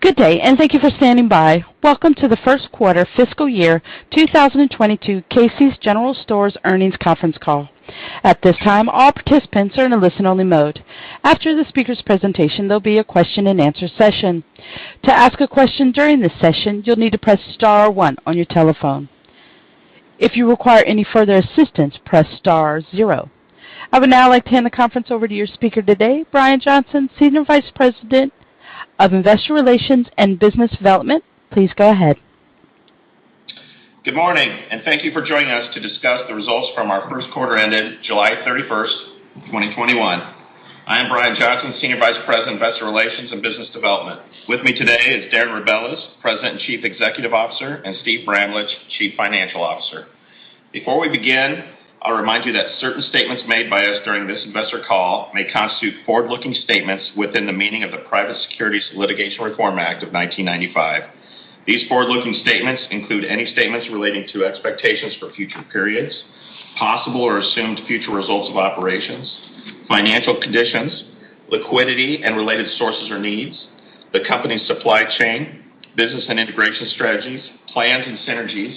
Good day, and thank you for standing by. Welcome to the first quarter fiscal year 2022 Casey's General Stores earnings conference call. At this time, all participants are in a listen-only mode. After the speaker's presentation, there'll be a question and answer session. To ask a question during this session, you'll need to press star one on your telephone. If you require any further assistance, press star zero. I would now like to hand the conference over to your speaker today, Brian Johnson, Senior Vice President of Investor Relations and Business Development. Please go ahead. Good morning, and thank you for joining us to discuss the results from our first quarter ended July 31st, 2021. I am Brian Johnson, Senior Vice President, Investor Relations and Business Development. With me today is Darren Rebelez, President and Chief Executive Officer, and Steve Bramlage, Chief Financial Officer. Before we begin, I'll remind you that certain statements made by us during this investor call may constitute forward-looking statements within the meaning of the Private Securities Litigation Reform Act of 1995. These forward-looking statements include any statements relating to expectations for future periods, possible or assumed future results of operations, financial conditions, liquidity and related sources or needs, the company's supply chain, business and integration strategies, plans and synergies,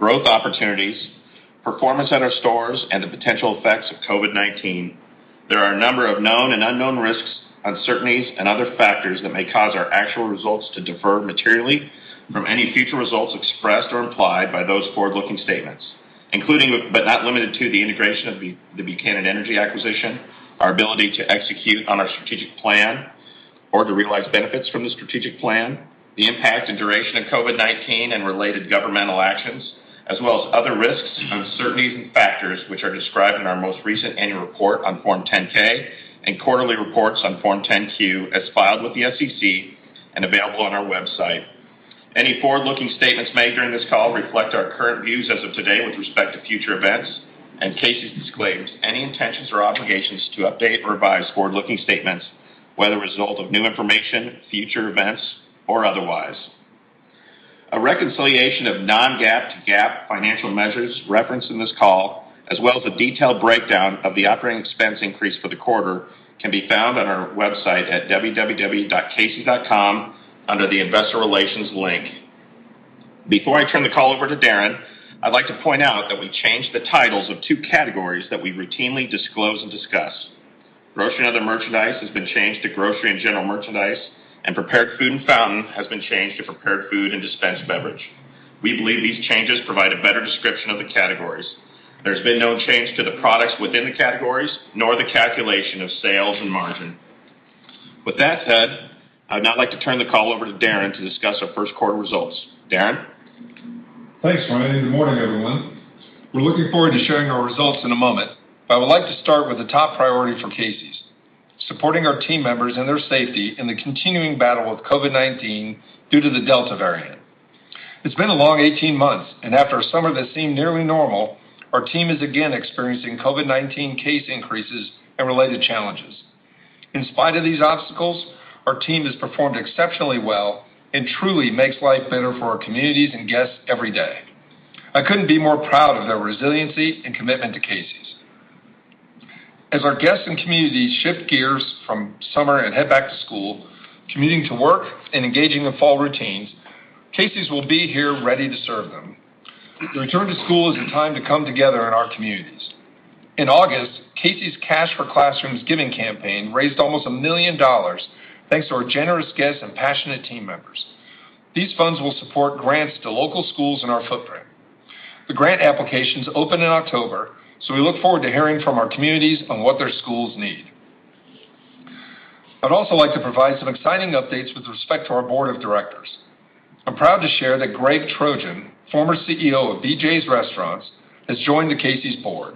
growth opportunities, performance at our stores, and the potential effects of COVID-19. There are a number of known and unknown risks, uncertainties, and other factors that may cause our actual results to differ materially from any future results expressed or implied by those forward-looking statements, including, but not limited to, the integration of the Buchanan Energy acquisition, our ability to execute on our strategic plan or to realize benefits from the strategic plan, the impact and duration of COVID-19 and related governmental actions, as well as other risks, uncertainties and factors which are described in our most recent annual report on Form 10-K and quarterly reports on Form 10-Q as filed with the SEC and available on our website. Any forward-looking statements made during this call reflect our current views as of today with respect to future events, and Casey's disclaims any intentions or obligations to update or revise forward-looking statements, whether a result of new information, future events, or otherwise. A reconciliation of non-GAAP to GAAP financial measures referenced in this call, as well as a detailed breakdown of the operating expense increase for the quarter, can be found on our website at www.caseys.com under the Investor Relations link. Before I turn the call over to Darren, I'd like to point out that we've changed the titles of two categories that we routinely disclose and discuss. Grocery and Other Merchandise has been changed to Grocery and General Merchandise, and Prepared Food and Fountain has been changed to Prepared Food and Dispensed Beverage. We believe these changes provide a better description of the categories. There's been no change to the products within the categories, nor the calculation of sales and margin. With that said, I would now like to turn the call over to Darren to discuss our first quarter results. Darren? Thanks, Brian, and good morning, everyone. We're looking forward to sharing our results in a moment, but I would like to start with the top priority for Casey's: supporting our team members and their safety in the continuing battle with COVID-19 due to the Delta variant. It's been a long 18 months, and after a summer that seemed nearly normal, our team is again experiencing COVID-19 case increases and related challenges. In spite of these obstacles, our team has performed exceptionally well and truly makes life better for our communities and guests every day. I couldn't be more proud of their resiliency and commitment to Casey's. As our guests and communities shift gears from summer and head back to school, commuting to work, and engaging in fall routines, Casey's will be here ready to serve them. The return to school is a time to come together in our communities. In August, Casey's Cash for Classrooms giving campaign raised almost $1 million thanks to our generous guests and passionate team members. These funds will support grants to local schools in our footprint. The grant applications open in October. We look forward to hearing from our communities on what their schools need. I'd also like to provide some exciting updates with respect to our board of directors. I'm proud to share that Greg Trojan, former CEO of BJ's Restaurants, has joined the Casey's board.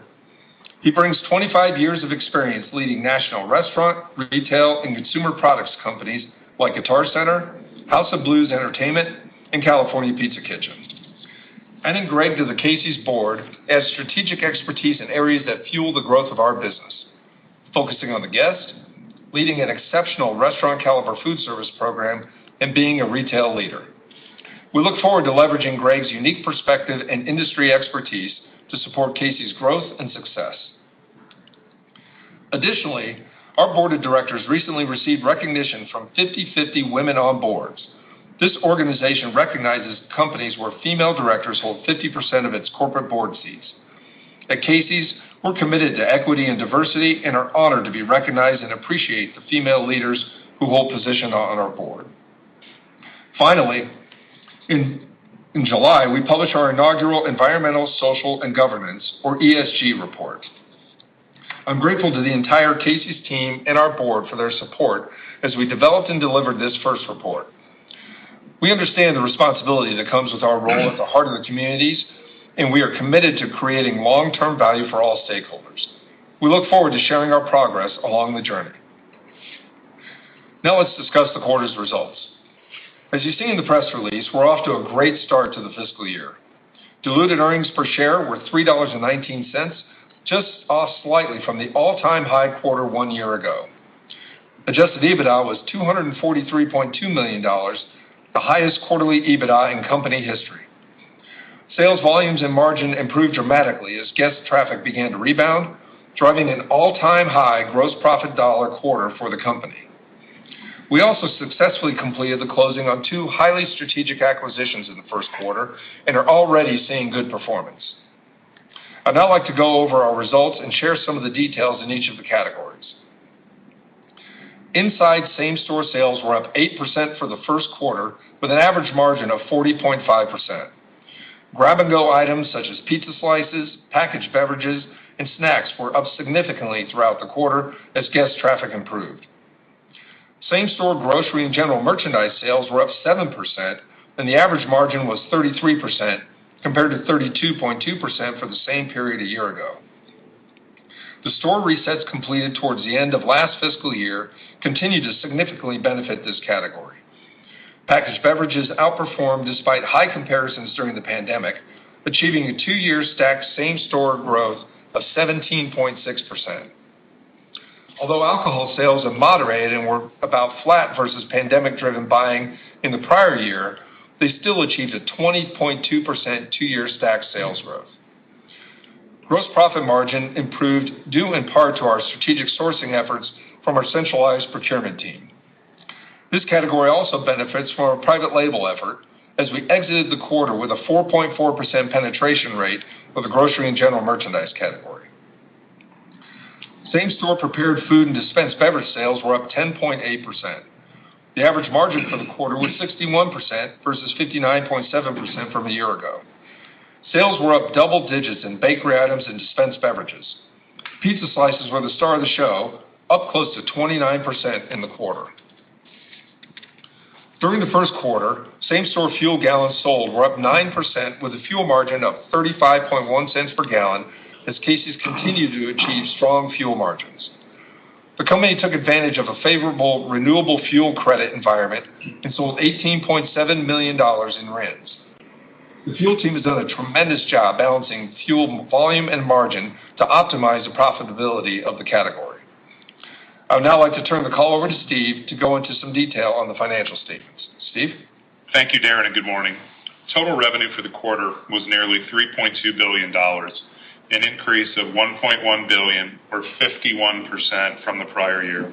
He brings 25 years of experience leading national restaurant, retail, and consumer products companies like Guitar Center, House of Blues Entertainment, and California Pizza Kitchen. Adding Greg to the Casey's board adds strategic expertise in areas that fuel the growth of our business, focusing on the guest, leading an exceptional restaurant caliber food service program, and being a retail leader. We look forward to leveraging Greg's unique perspective and industry expertise to support Casey's growth and success. Our board of directors recently received recognition from 50/50 Women on Boards. This organization recognizes companies where female directors hold 50% of its corporate board seats. At Casey's, we're committed to equity and diversity and are honored to be recognized and appreciate the female leaders who hold position on our board. In July, we published our inaugural environmental, social, and governance, or ESG report. I'm grateful to the entire Casey's team and our board for their support as we developed and delivered this first report. We understand the responsibility that comes with our role at the heart of the communities, and we are committed to creating long-term value for all stakeholders. We look forward to sharing our progress along the journey. Let's discuss the quarter's results. As you see in the press release, we're off to a great start to the fiscal year. Diluted earnings per share were $3.19, just off slightly from the all-time high quarter one year ago. Adjusted EBITDA was $243.2 million, the highest quarterly EBITDA in company history. Sales volumes and margin improved dramatically as guest traffic began to rebound, driving an all-time high gross profit dollar quarter for the company. We also successfully completed the closing on two highly strategic acquisitions in the first quarter and are already seeing good performance. I'd now like to go over our results and share some of the details in each of the categories. Inside same-store sales were up 8% for the first quarter, with an average margin of 40.5%. Grab-and-go items such as pizza slices, packaged beverages, and snacks were up significantly throughout the quarter as guest traffic improved. Same-store grocery and general merchandise sales were up 7%, and the average margin was 33% compared to 32.2% for the same period a year ago. The store resets completed towards the end of last fiscal year continue to significantly benefit this category. Packaged beverages outperformed despite high comparisons during the pandemic, achieving a two-year stacked same-store growth of 17.6%. Alcohol sales have moderated and were about flat versus pandemic-driven buying in the prior year, they still achieved a 20.2% two-year stacked sales growth. Gross profit margin improved due in part to our strategic sourcing efforts from our centralized procurement team. This category also benefits from our private label effort as we exited the quarter with a 4.4% penetration rate for the grocery and general merchandise category. Same-store prepared food and dispensed beverage sales were up 10.8%. The average margin for the quarter was 61% versus 59.7% from a year ago. Sales were up double digits in bakery items and dispensed beverages. Pizza slices were the star of the show, up close to 29% in the quarter. During the first quarter, same-store fuel gallons sold were up 9% with a fuel margin of $0.351 per gallon, as Casey's continued to achieve strong fuel margins. The company took advantage of a favorable renewable fuel credit environment and sold $18.7 million in RINs. The fuel team has done a tremendous job balancing fuel volume and margin to optimize the profitability of the category. I would now like to turn the call over to Steve to go into some detail on the financial statements. Steve? Thank you, Darren, and good morning. Total revenue for the quarter was nearly $3.2 billion, an increase of $1.1 billion, or 51%, from the prior year.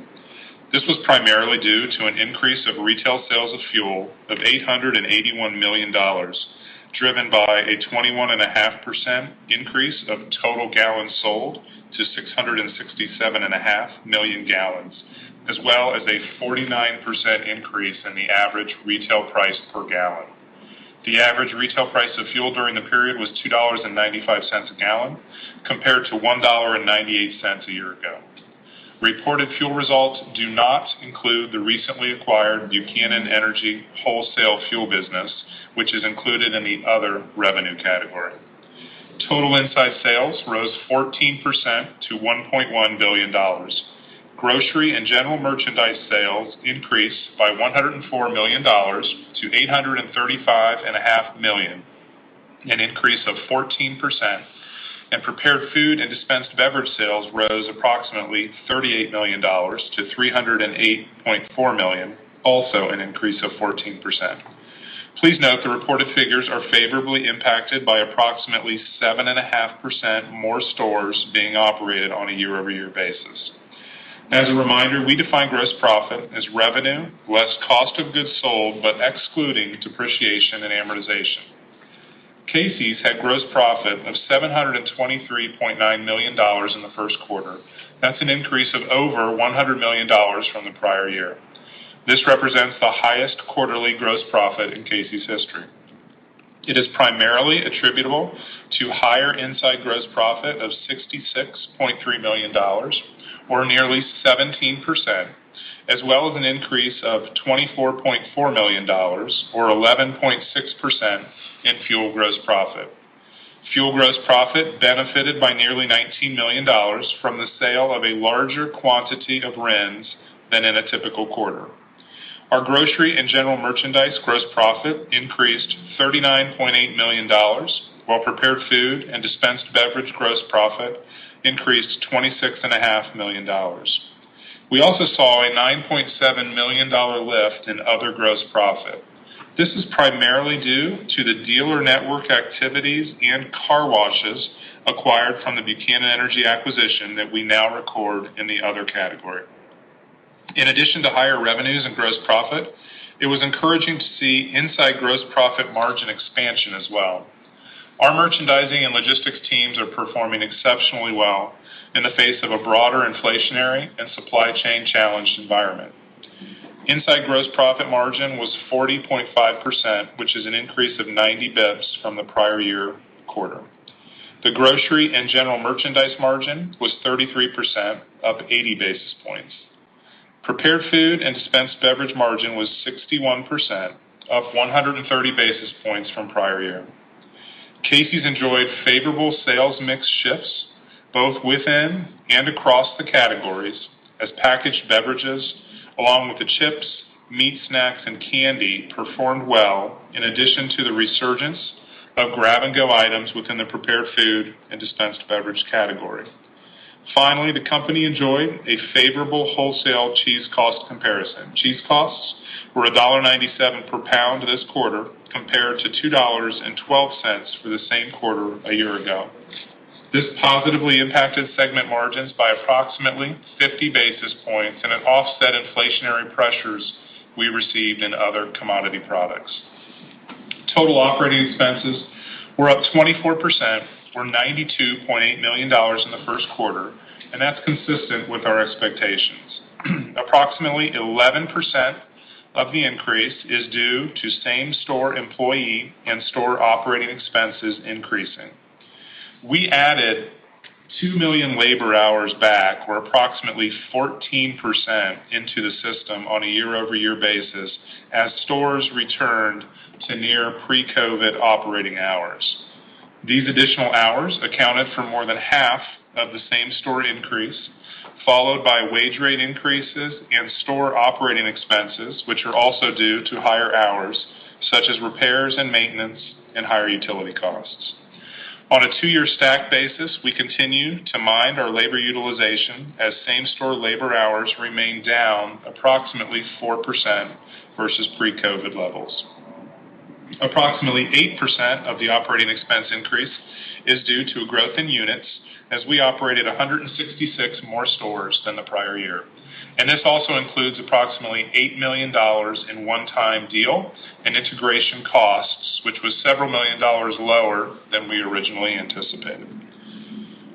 This was primarily due to an increase of retail sales of fuel of $881 million, driven by a 21.5% increase of total gallons sold to 667.5 million gallons, as well as a 49% increase in the average retail price per gallon. The average retail price of fuel during the period was $2.95 a gallon, compared to $1.98 a year ago. Reported fuel results do not include the recently acquired Buchanan Energy wholesale fuel business, which is included in the other revenue category. Total inside sales rose 14% to $1.1 billion. Grocery and general merchandise sales increased by $104 million to $835.5 million, an increase of 14%. Prepared food and dispensed beverage sales rose approximately $38 million to $308.4 million, also an increase of 14%. Please note the reported figures are favorably impacted by approximately 7.5% more stores being operated on a year-over-year basis. As a reminder, we define gross profit as revenue less cost of goods sold, excluding depreciation and amortization. Casey's had gross profit of $723.9 million in the first quarter. That's an increase of over $100 million from the prior year. This represents the highest quarterly gross profit in Casey's history. It is primarily attributable to higher inside gross profit of $66.3 million, or nearly 17%, as well as an increase of $24.4 million, or 11.6%, in fuel gross profit. Fuel gross profit benefited by nearly $19 million from the sale of a larger quantity of RINs than in a typical quarter. Our grocery and general merchandise gross profit increased $39.8 million, while prepared food and dispensed beverage gross profit increased $26.5 million. We also saw a $9.7 million lift in other gross profit. This is primarily due to the dealer network activities and car washes acquired from the Buchanan Energy acquisition that we now record in the other category. In addition to higher revenues and gross profit, it was encouraging to see inside gross profit margin expansion as well. Our merchandising and logistics teams are performing exceptionally well in the face of a broader inflationary and supply chain challenged environment. Inside gross profit margin was 40.5%, which is an increase of 90 bps from the prior year quarter. The grocery and general merchandise margin was 33%, up 80 basis points. Prepared food and dispensed beverage margin was 61%, up 130 basis points from prior year. Casey's enjoyed favorable sales mix shifts both within and across the categories as packaged beverages, along with the chips, meat snacks, and candy performed well in addition to the resurgence of grab-and-go items within the prepared food and dispensed beverage category. Finally, the company enjoyed a favorable wholesale cheese cost comparison. Cheese costs were $1.97 per pound this quarter, compared to $2.12 for the same quarter a year ago. This positively impacted segment margins by approximately 50 basis points and it offset inflationary pressures we received in other commodity products. Total operating expenses were up 24%, or $92.8 million in the first quarter, and that's consistent with our expectations. Approximately 11% of the increase is due to same-store employee and store operating expenses increasing. We added 2 million labor hours back, or approximately 14% into the system on a year-over-year basis, as stores returned to near pre-COVID-19 operating hours. These additional hours accounted for more than half of the same-store increase, followed by wage rate increases and store operating expenses, which are also due to higher hours, such as repairs and maintenance, and higher utility costs. On a two-year stack basis, we continue to mine our labor utilization as same-store labor hours remain down approximately 4% versus pre-COVID-19 levels. Approximately 8% of the operating expense increase is due to a growth in units, as we operated 166 more stores than the prior year. This also includes approximately $8 million in one-time deal and integration costs, which was several million dollars lower than we originally anticipated.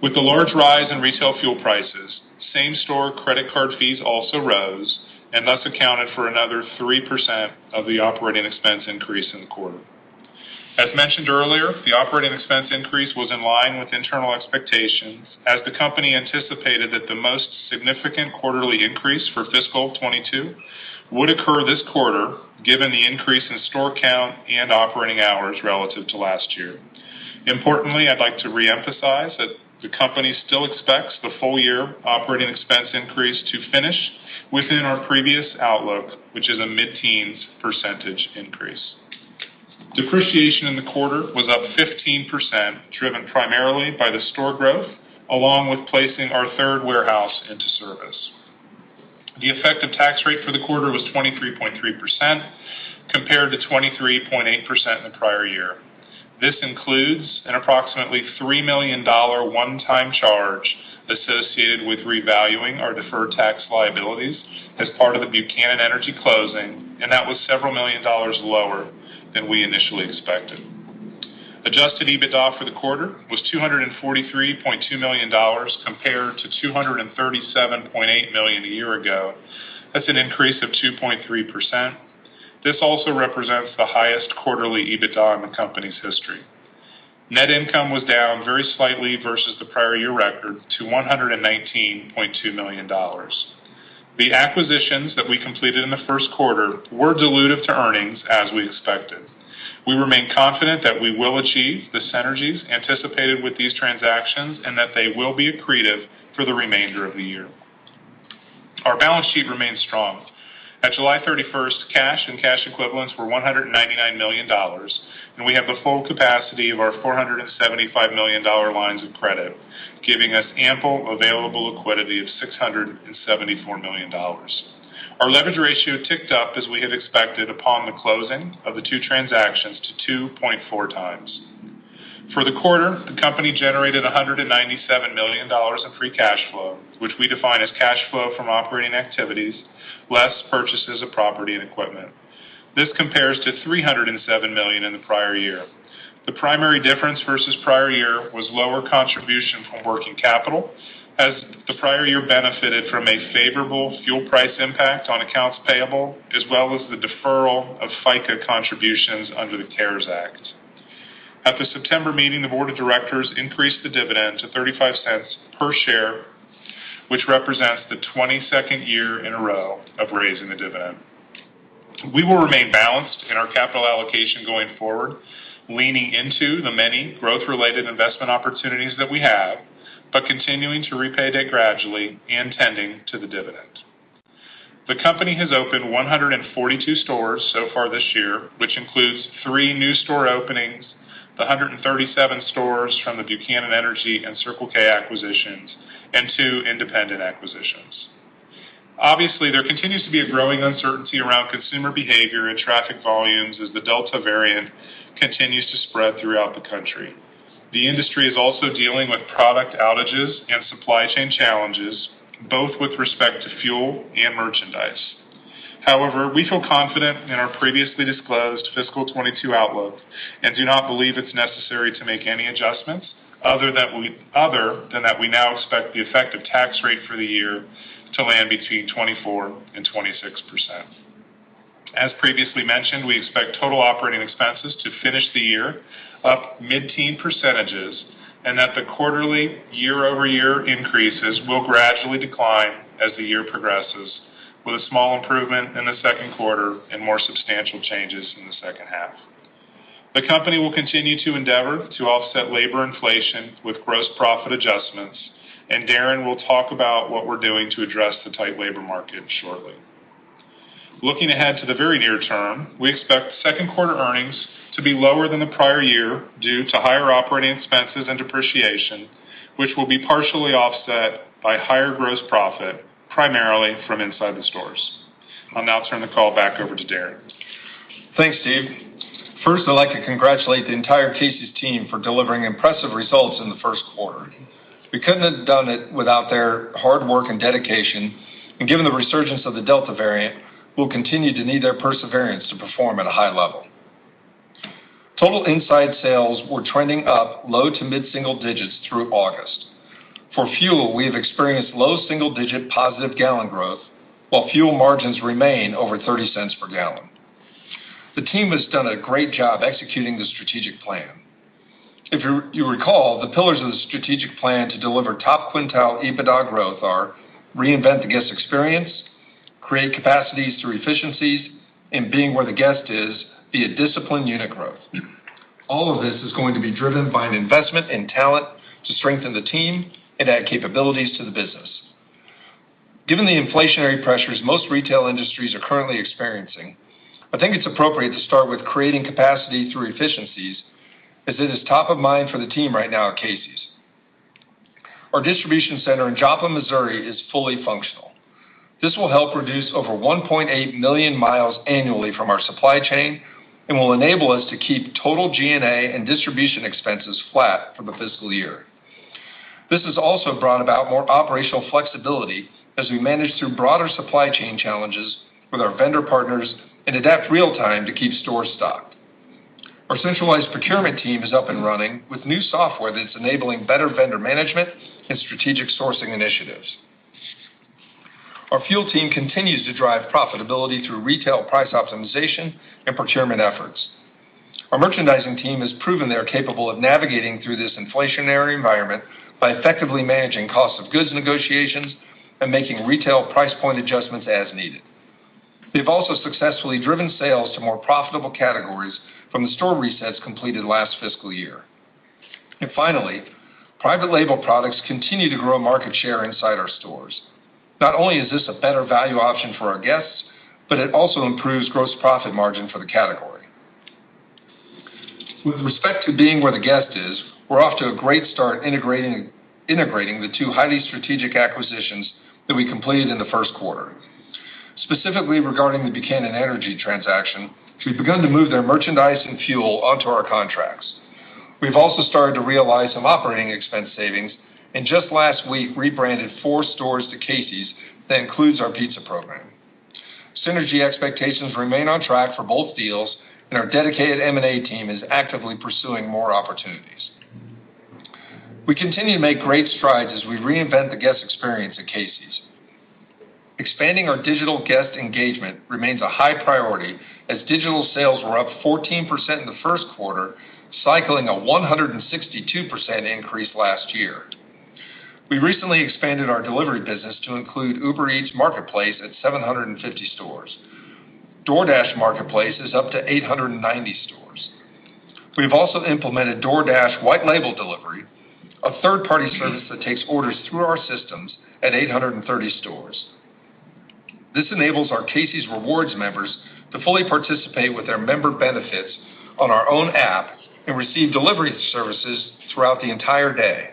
With the large rise in retail fuel prices, same-store credit card fees also rose, and thus accounted for another 3% of the operating expense increase in the quarter. As mentioned earlier, the operating expense increase was in line with internal expectations, as the company anticipated that the most significant quarterly increase for fiscal 2022 would occur this quarter, given the increase in store count and operating hours relative to last year. Importantly, I'd like to reemphasize that the company still expects the full-year operating expense increase to finish within our previous outlook, which is a mid-teens percentage increase. Depreciation in the quarter was up 15%, driven primarily by the store growth, along with placing our third warehouse into service. The effective tax rate for the quarter was 23.3%, compared to 23.8% in the prior year. This includes an approximately $3 million one-time charge associated with revaluing our deferred tax liabilities as part of the Buchanan Energy closing, and that was several million dollars lower than we initially expected. Adjusted EBITDA for the quarter was $243.2 million compared to $237.8 million a year ago. That's an increase of 2.3%. This also represents the highest quarterly EBITDA in the company's history. Net income was down very slightly versus the prior year record to $119.2 million. The acquisitions that we completed in the first quarter were dilutive to earnings, as we expected. We remain confident that we will achieve the synergies anticipated with these transactions and that they will be accretive for the remainder of the year. Our balance sheet remains strong. At July 31st, cash and cash equivalents were $199 million, and we have the full capacity of our $475 million lines of credit, giving us ample available liquidity of $674 million. Our leverage ratio ticked up as we had expected upon the closing of the two transactions to 2.4x. For the quarter, the company generated $197 million of free cash flow, which we define as cash flow from operating activities, less purchases of property and equipment. This compares to $307 million in the prior year. The primary difference versus the prior year was lower contribution from working capital, as the prior year benefited from a favorable fuel price impact on accounts payable, as well as the deferral of FICA contributions under the CARES Act. At the September meeting, the board of directors increased the dividend to $0.35 per share, which represents the 22nd year in a row of raising the dividend. We will remain balanced in our capital allocation going forward, leaning into the many growth-related investment opportunities that we have, but continuing to repay debt gradually and tending to the dividend. The company has opened 142 stores so far this year, which includes three new store openings, the 137 stores from the Buchanan Energy and Circle K acquisitions, and two independent acquisitions. Obviously, there continues to be a growing uncertainty around consumer behavior and traffic volumes as the Delta variant continues to spread throughout the country. The industry is also dealing with product outages and supply chain challenges, both with respect to fuel and merchandise. However, we feel confident in our previously disclosed fiscal 2022 outlook and do not believe it's necessary to make any adjustments other than that we now expect the effective tax rate for the year to land between 24%-26%. As previously mentioned, we expect total operating expenses to finish the year up mid-teen %, and that the quarterly year-over-year increases will gradually decline as the year progresses, with a small improvement in the second quarter and more substantial changes in the second half. The company will continue to endeavor to offset labor inflation with gross profit adjustments, Darren will talk about what we're doing to address the tight labor market shortly. Looking ahead to the very near term, we expect second quarter earnings to be lower than the prior year due to higher operating expenses and depreciation, which will be partially offset by higher gross profit, primarily from inside the stores. I'll now turn the call back over to Darren. Thanks, Steve. First, I'd like to congratulate the entire Casey's team for delivering impressive results in the first quarter. We couldn't have done it without their hard work and dedication, and given the resurgence of the Delta variant, we'll continue to need their perseverance to perform at a high level. Total inside sales were trending up low to mid-single digits through August. For fuel, we have experienced low single-digit positive gallon growth, while fuel margins remain over $0.30 per gallon. The team has done a great job executing the strategic plan. If you recall, the pillars of the strategic plan to deliver top quintile EBITDA growth are reinvent the guest experience, create capacities through efficiencies, and being where the guest is via disciplined unit growth. All of this is going to be driven by an investment in talent to strengthen the team and add capabilities to the business. Given the inflationary pressures most retail industries are currently experiencing, I think it's appropriate to start with creating capacity through efficiencies, as it is top of mind for the team right now at Casey's. Our distribution center in Joplin, Missouri is fully functional. This will help reduce over 1.8 million miles annually from our supply chain and will enable us to keep total G&A and distribution expenses flat for the fiscal year. This has also brought about more operational flexibility as we manage through broader supply chain challenges with our vendor partners and adapt real time to keep stores stocked. Our centralized procurement team is up and running with new software that's enabling better vendor management and strategic sourcing initiatives. Our fuel team continues to drive profitability through retail price optimization and procurement efforts. Our merchandising team has proven they are capable of navigating through this inflationary environment by effectively managing cost of goods negotiations and making retail price point adjustments as needed. They've also successfully driven sales to more profitable categories from the store resets completed last fiscal year. Finally, private label products continue to grow market share inside our stores. Not only is this a better value option for our guests, but it also improves gross profit margin for the category. With respect to being where the guest is, we're off to a great start integrating the two highly strategic acquisitions that we completed in the first quarter. Specifically regarding the Buchanan Energy transaction, we've begun to move their merchandise and fuel onto our contracts. We've also started to realize some operating expense savings and just last week rebranded four stores to Casey's that includes our pizza program. Synergy expectations remain on track for both deals, and our dedicated M&A team is actively pursuing more opportunities. We continue to make great strides as we reinvent the guest experience at Casey's. Expanding our digital guest engagement remains a high priority as digital sales were up 14% in the first quarter, cycling a 162% increase last year. We recently expanded our delivery business to include Uber Eats marketplace at 750 stores. DoorDash marketplace is up to 890 stores. We've also implemented DoorDash white label delivery, a third-party service that takes orders through our systems at 830 stores. This enables our Casey's Rewards members to fully participate with their member benefits on our own app and receive delivery services throughout the entire day.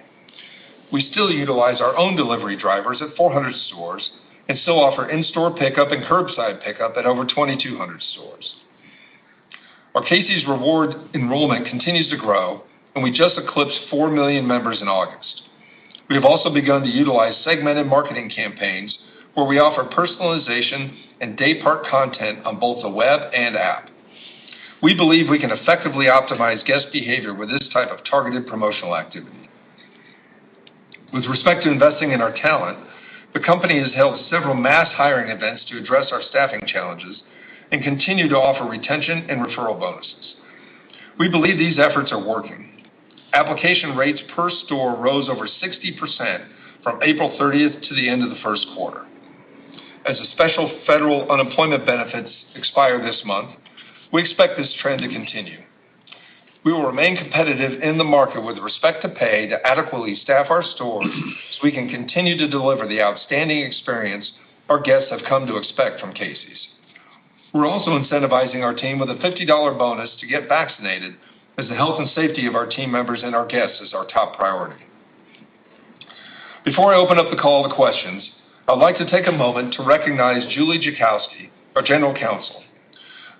We still utilize our own delivery drivers at 400 stores and still offer in-store pickup and curbside pickup at over 2,200 stores. Our Casey's Rewards enrollment continues to grow, and we just eclipsed 4 million members in August. We have also begun to utilize segmented marketing campaigns where we offer personalization and daypart content on both the web and app. We believe we can effectively optimize guest behavior with this type of targeted promotional activity. With respect to investing in our talent, the company has held several mass hiring events to address our staffing challenges and continue to offer retention and referral bonuses. We believe these efforts are working. Application rates per store rose over 60% from April 30th to the end of the first quarter. As the special federal unemployment benefits expire this month, we expect this trend to continue. We will remain competitive in the market with respect to pay to adequately staff our stores so we can continue to deliver the outstanding experience our guests have come to expect from Casey's. We're also incentivizing our team with a $50 bonus to get vaccinated, as the health and safety of our team members and our guests is our top priority. Before I open up the call to questions, I'd like to take a moment to recognize Julie Jackowski, our general counsel.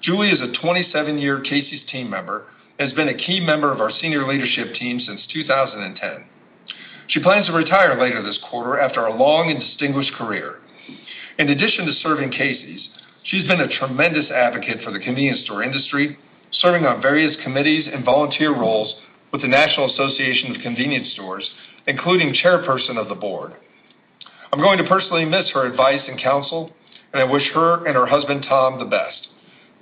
Julie is a 27-year Casey's team member and has been a key member of our senior leadership team since 2010. She plans to retire later this quarter after a long and distinguished career. In addition to serving Casey's, she's been a tremendous advocate for the convenience store industry, serving on various committees and volunteer roles with the National Association of Convenience Stores, including chairperson of the board. I'm going to personally miss her advice and counsel, and I wish her and her husband, Tom, the best.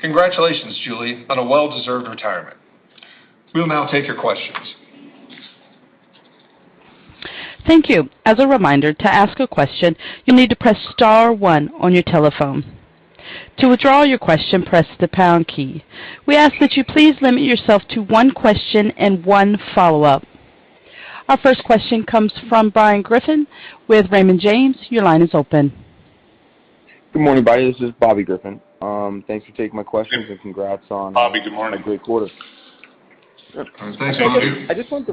Congratulations, Julie, on a well-deserved retirement. We'll now take your questions. Thank you. As a reminder, to ask a question, you'll need to press star one on your telephone. To withdraw your question, press the pound key. We ask that you please limit yourself to one question and one follow-up. Our first question comes from Bobby Griffin with Raymond James. Your line is open. Good morning, everybody. This is Bobby Griffin. Thanks for taking my questions and congrats on. Bobby, good morning. a great quarter. Thanks, Bobby. I just wanted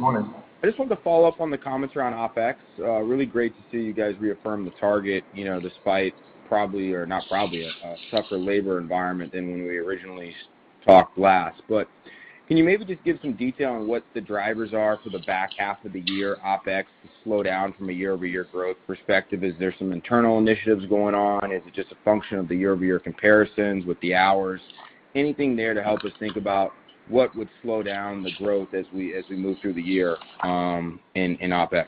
to follow up on the comments around OpEx. Really great to see you guys reaffirm the target despite probably, or not probably, a tougher labor environment than when we originally talked last. Can you maybe just give some detail on what the drivers are for the back half of the year OpEx to slow down from a year-over-year growth perspective? Is there some internal initiatives going on? Is it just a function of the year-over-year comparisons with the hours? Anything there to help us think about what would slow down the growth as we move through the year in OpEx?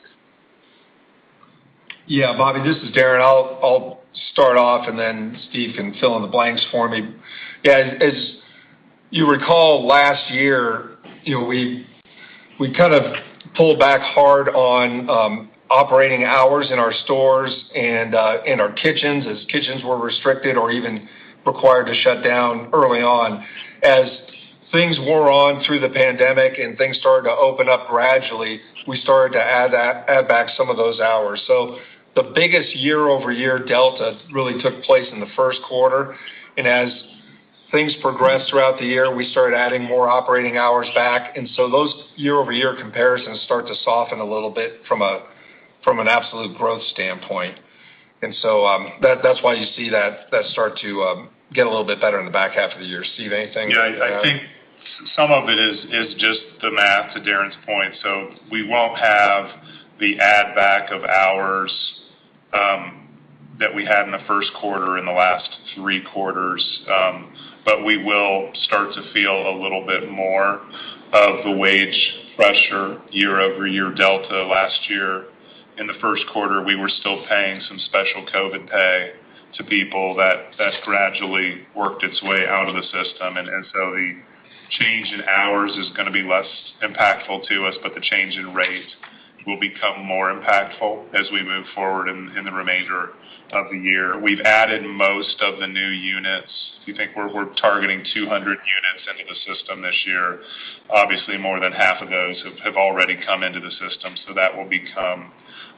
Yeah, Bobby. This is Darren. I'll start off, and then Steve can fill in the blanks for me. As you recall, last year, we pulled back hard on operating hours in our stores and in our kitchens, as kitchens were restricted or even required to shut down early on. As things wore on through the pandemic and things started to open up gradually, we started to add back some of those hours. The biggest year-over-year delta really took place in the first quarter, and as things progressed throughout the year, we started adding more operating hours back. Those year-over-year comparisons start to soften a little bit from an absolute growth standpoint. That's why you see that start to get a little bit better in the back half of the year. Steve, anything to add? Yeah, I think some of it is just the math, to Darren's point. We won't have the add back of hours that we had in the first quarter in the last three quarters. We will start to feel a little bit more of the wage pressure year-over-year delta. Last year in the first quarter, we were still paying some special COVID pay to people. That gradually worked its way out of the system. The change in hours is going to be less impactful to us, but the change in rate will become more impactful as we move forward in the remainder of the year. We've added most of the new units. I think we're targeting 200 units into the system this year. Obviously, more than half of those have already come into the system, so that will become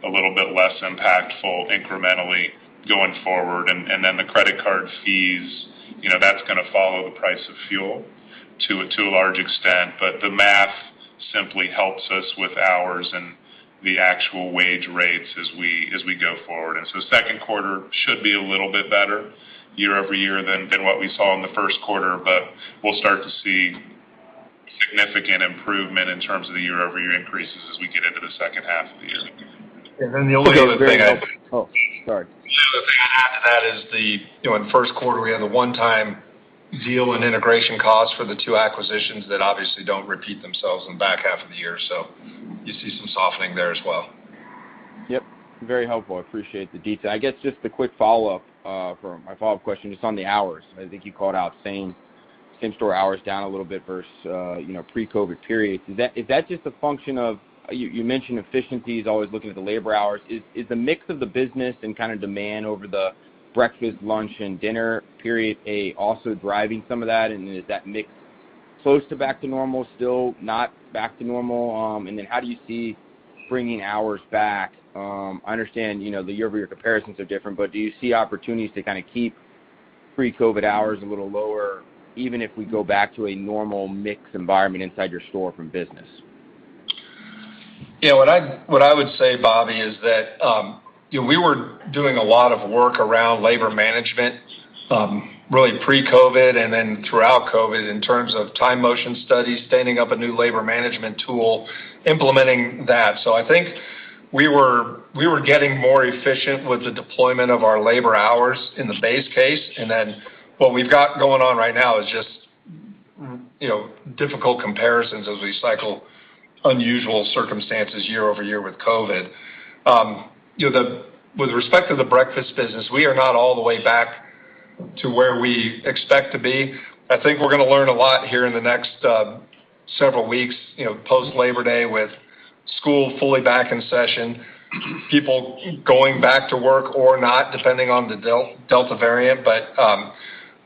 a little bit less impactful incrementally going forward. The credit card fees, that's going to follow the price of fuel to a large extent. The math simply helps us with hours and the actual wage rates as we go forward. The second quarter should be a little bit better year-over-year than what we saw in the first quarter. We'll start to see significant improvement in terms of the year-over-year increases as we get into the second half of the year. And then the only other thing I- Oh, sorry. The other thing I'd add to that is in the first quarter, we had the one-time deal and integration costs for the two acquisitions that obviously don't repeat themselves in the back half of the year. You see some softening there as well. Yep. Very helpful. I appreciate the detail. I guess just a quick follow-up from my follow-up question, just on the hours. I think you called out same-store hours down a little bit versus pre-COVID periods. Is that just a function of, you mentioned efficiency is always looking at the labor hours. Is the mix of the business and demand over the breakfast, lunch, and dinner period also driving some of that? Is that mix close to back to normal, still not back to normal? How do you see bringing hours back? I understand the year-over-year comparisons are different, but do you see opportunities to keep pre-COVID hours a little lower, even if we go back to a normal mix environment inside your store from business? What I would say, Bobby, is that we were doing a lot of work around labor management really pre-COVID and then throughout COVID in terms of time motion studies, standing up a new labor management tool, implementing that. What we've got going on right now is just difficult comparisons as we cycle unusual circumstances year-over-year with COVID. With respect to the breakfast business, we are not all the way back to where we expect to be. I think we're going to learn a lot here in the next several weeks, post Labor Day with school fully back in session, people going back to work or not, depending on the Delta variant.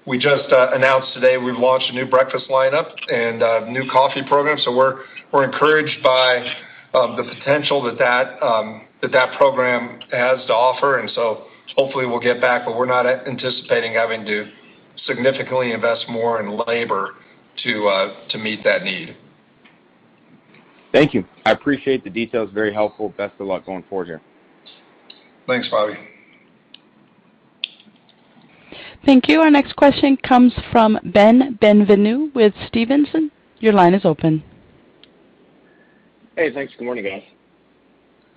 We just announced today we've launched a new breakfast lineup and a new coffee program. We're encouraged by the potential that that program has to offer. Hopefully we'll get back, but we're not anticipating having to significantly invest more in labor to meet that need. Thank you. I appreciate the details. Very helpful. Best of luck going forward here. Thanks, Bobby. Thank you. Our next question comes from Ben Bienvenu with Stephens. Your line is open. Hey, thanks. Good morning, guys.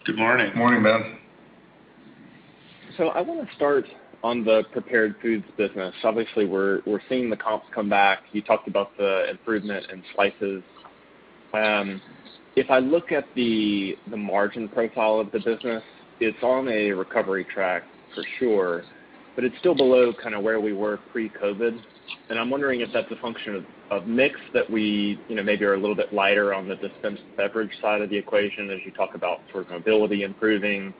Good morning. Morning, Ben. I want to start on the prepared foods business. Obviously, we're seeing the comps come back. You talked about the improvement in slices. If I look at the margin profile of the business, it's on a recovery track for sure, but it's still below where we were pre-COVID. I'm wondering if that's a function of mix that we maybe are a little bit lighter on the dispense beverage side of the equation as you talk about sort of mobility improving,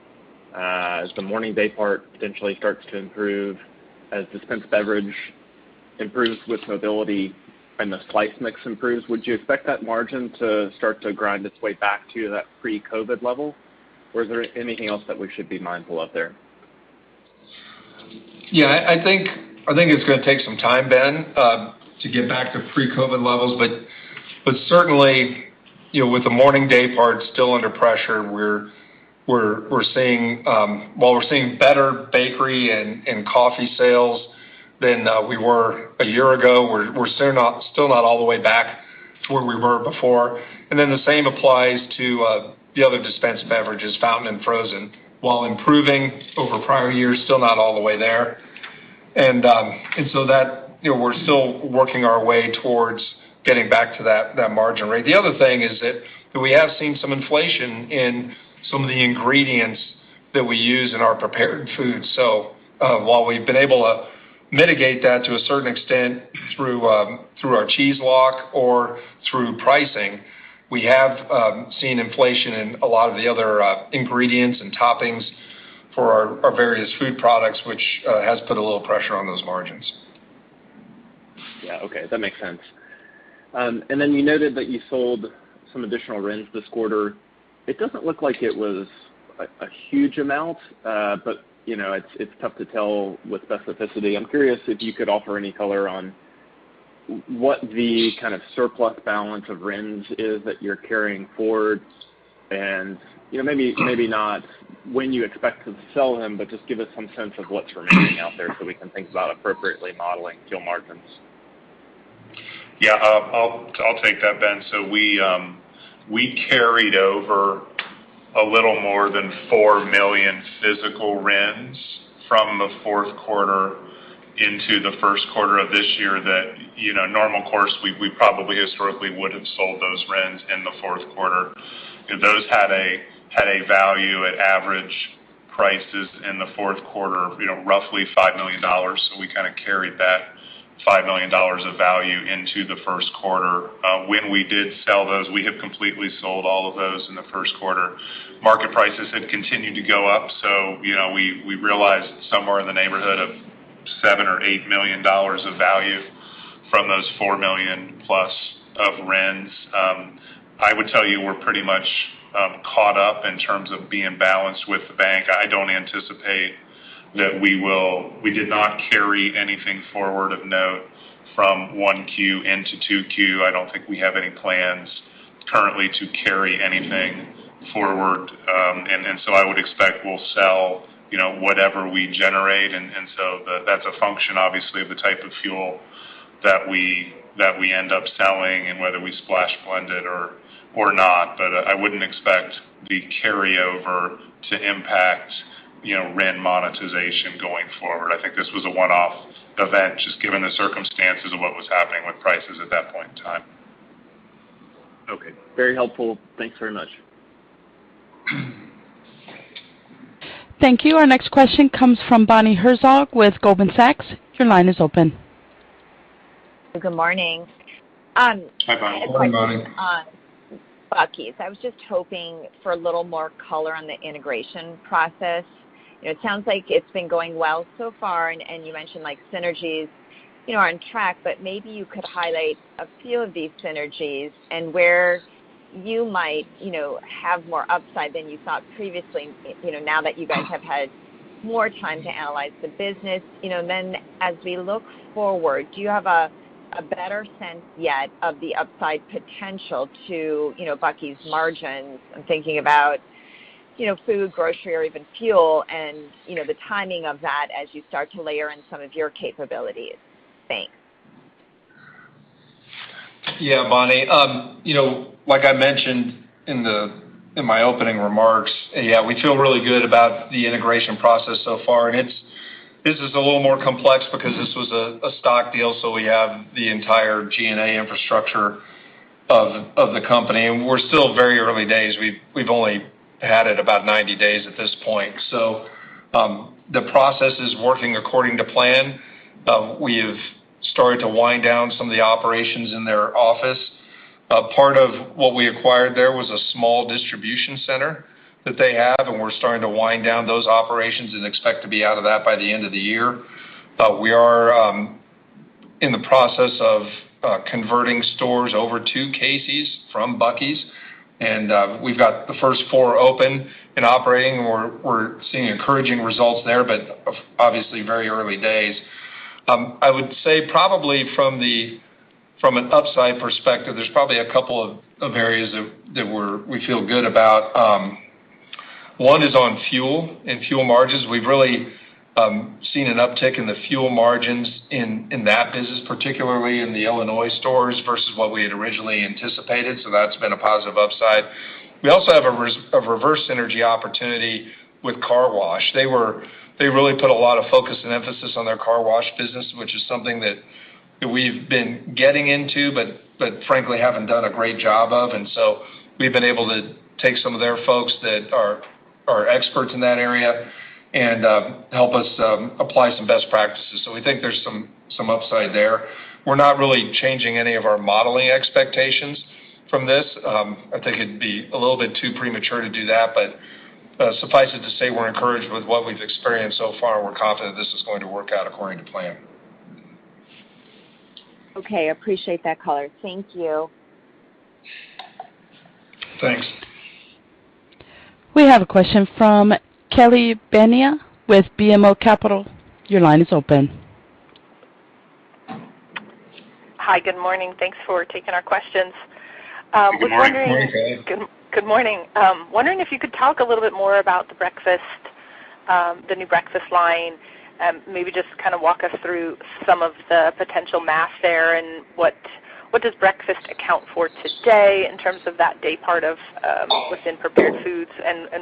as the morning day part potentially starts to improve, as dispense beverage improves with mobility and the slice mix improves, would you expect that margin to start to grind its way back to that pre-COVID level? Or is there anything else that we should be mindful of there? Yeah, I think it's going to take some time, Ben, to get back to pre-COVID-19 levels. Certainly, with the morning day part still under pressure, while we're seeing better bakery and coffee sales than we were a year ago, we're still not all the way back to where we were before. The same applies to the other dispense beverages, fountain and frozen. While improving over prior years, still not all the way there. We're still working our way towards getting back to that margin rate. The other thing is that we have seen some inflation in some of the ingredients that we use in our prepared food. While we've been able to mitigate that to a certain extent through our cheese lock or through pricing, we have seen inflation in a lot of the other ingredients and toppings for our various food products, which has put a little pressure on those margins. Yeah. Okay. That makes sense. You noted that you sold some additional RINs this quarter. It doesn't look like it was a huge amount, but it's tough to tell with specificity. I'm curious if you could offer any color on what the kind of surplus balance of RINs is that you're carrying forward and, maybe not when you expect to sell them, but just give us some sense of what's remaining out there so we can think about appropriately modeling fuel margins. Yeah. I'll take that, Ben. We carried over a little more than 4 million physical RINs from the fourth quarter into the first quarter of this year that, normal course, we probably historically would have sold those RINs in the fourth quarter. Those had a value at average prices in the fourth quarter of roughly $5 million. We kind of carried that $5 million of value into the first quarter. When we did sell those, we have completely sold all of those in the first quarter. Market prices had continued to go up, we realized somewhere in the neighborhood of $7 million or $8 million of value from those 4 million+ of RINs. I would tell you we're pretty much caught up in terms of being balanced with the bank. I don't anticipate that we will. We did not carry anything forward of note from Q1 into Q2. I don't think we have any plans currently to carry anything forward. I would expect we'll sell whatever we generate, and so that's a function, obviously, of the type of fuel that we end up selling and whether we splash blend it or not. I wouldn't expect the carryover to impact RINs monetization going forward. I think this was a one-off event, just given the circumstances of what was happening with prices at that point in time. Okay. Very helpful. Thanks very much. Thank you. Our next question comes from Bonnie Herzog with Goldman Sachs. Your line is open. Good morning. Hi, Bonnie. Good morning, Bonnie. Buc-ee's. I was just hoping for a little more color on the integration process. It sounds like it's been going well so far, and you mentioned synergies are on track, but maybe you could highlight a few of these synergies and where you might have more upside than you thought previously, now that you guys have had more time to analyze the business. As we look forward, do you have a better sense yet of the upside potential to Buc-ee's margins? I'm thinking about food, grocery, or even fuel and the timing of that as you start to layer in some of your capabilities. Thanks. Yeah, Bonnie. Like I mentioned in my opening remarks, we feel really good about the integration process so far. This is a little more complex because this was a stock deal, so we have the entire G&A infrastructure of the company, and we're still very early days. We've only had it about 90 days at this point. The process is working according to plan. We have started to wind down some of the operations in their office. Part of what we acquired there was a small distribution center that they have, and we're starting to wind down those operations and expect to be out of that by the end of the year. We are in the process of converting stores over to Casey's from Buc-ee's, and we've got the first four open and operating. We're seeing encouraging results there, but obviously very early days. I would say probably from an upside perspective, there's probably a couple of areas that we feel good about. One is on fuel and fuel margins. We've really seen an uptick in the fuel margins in that business, particularly in the Illinois stores versus what we had originally anticipated. That's been a positive upside. We also have a reverse synergy opportunity with car wash. They really put a lot of focus and emphasis on their car wash business, which is something that we've been getting into but frankly haven't done a great job of. We've been able to take some of their folks that are experts in that area and help us apply some best practices. We think there's some upside there. We're not really changing any of our modeling expectations from this. I think it'd be a little bit too premature to do that. Suffice it to say, we're encouraged with what we've experienced so far. We're confident this is going to work out according to plan. Okay. Appreciate that, Color. Thank you. Thanks. We have a question from Kelly Bania with BMO Capital. Your line is open. Hi. Good morning. Thanks for taking our questions. Good morning. Good morning. Wondering if you could talk a little bit more about the new breakfast line, maybe just walk us through some of the potential math there? What does breakfast account for today in terms of that day part within prepared foods?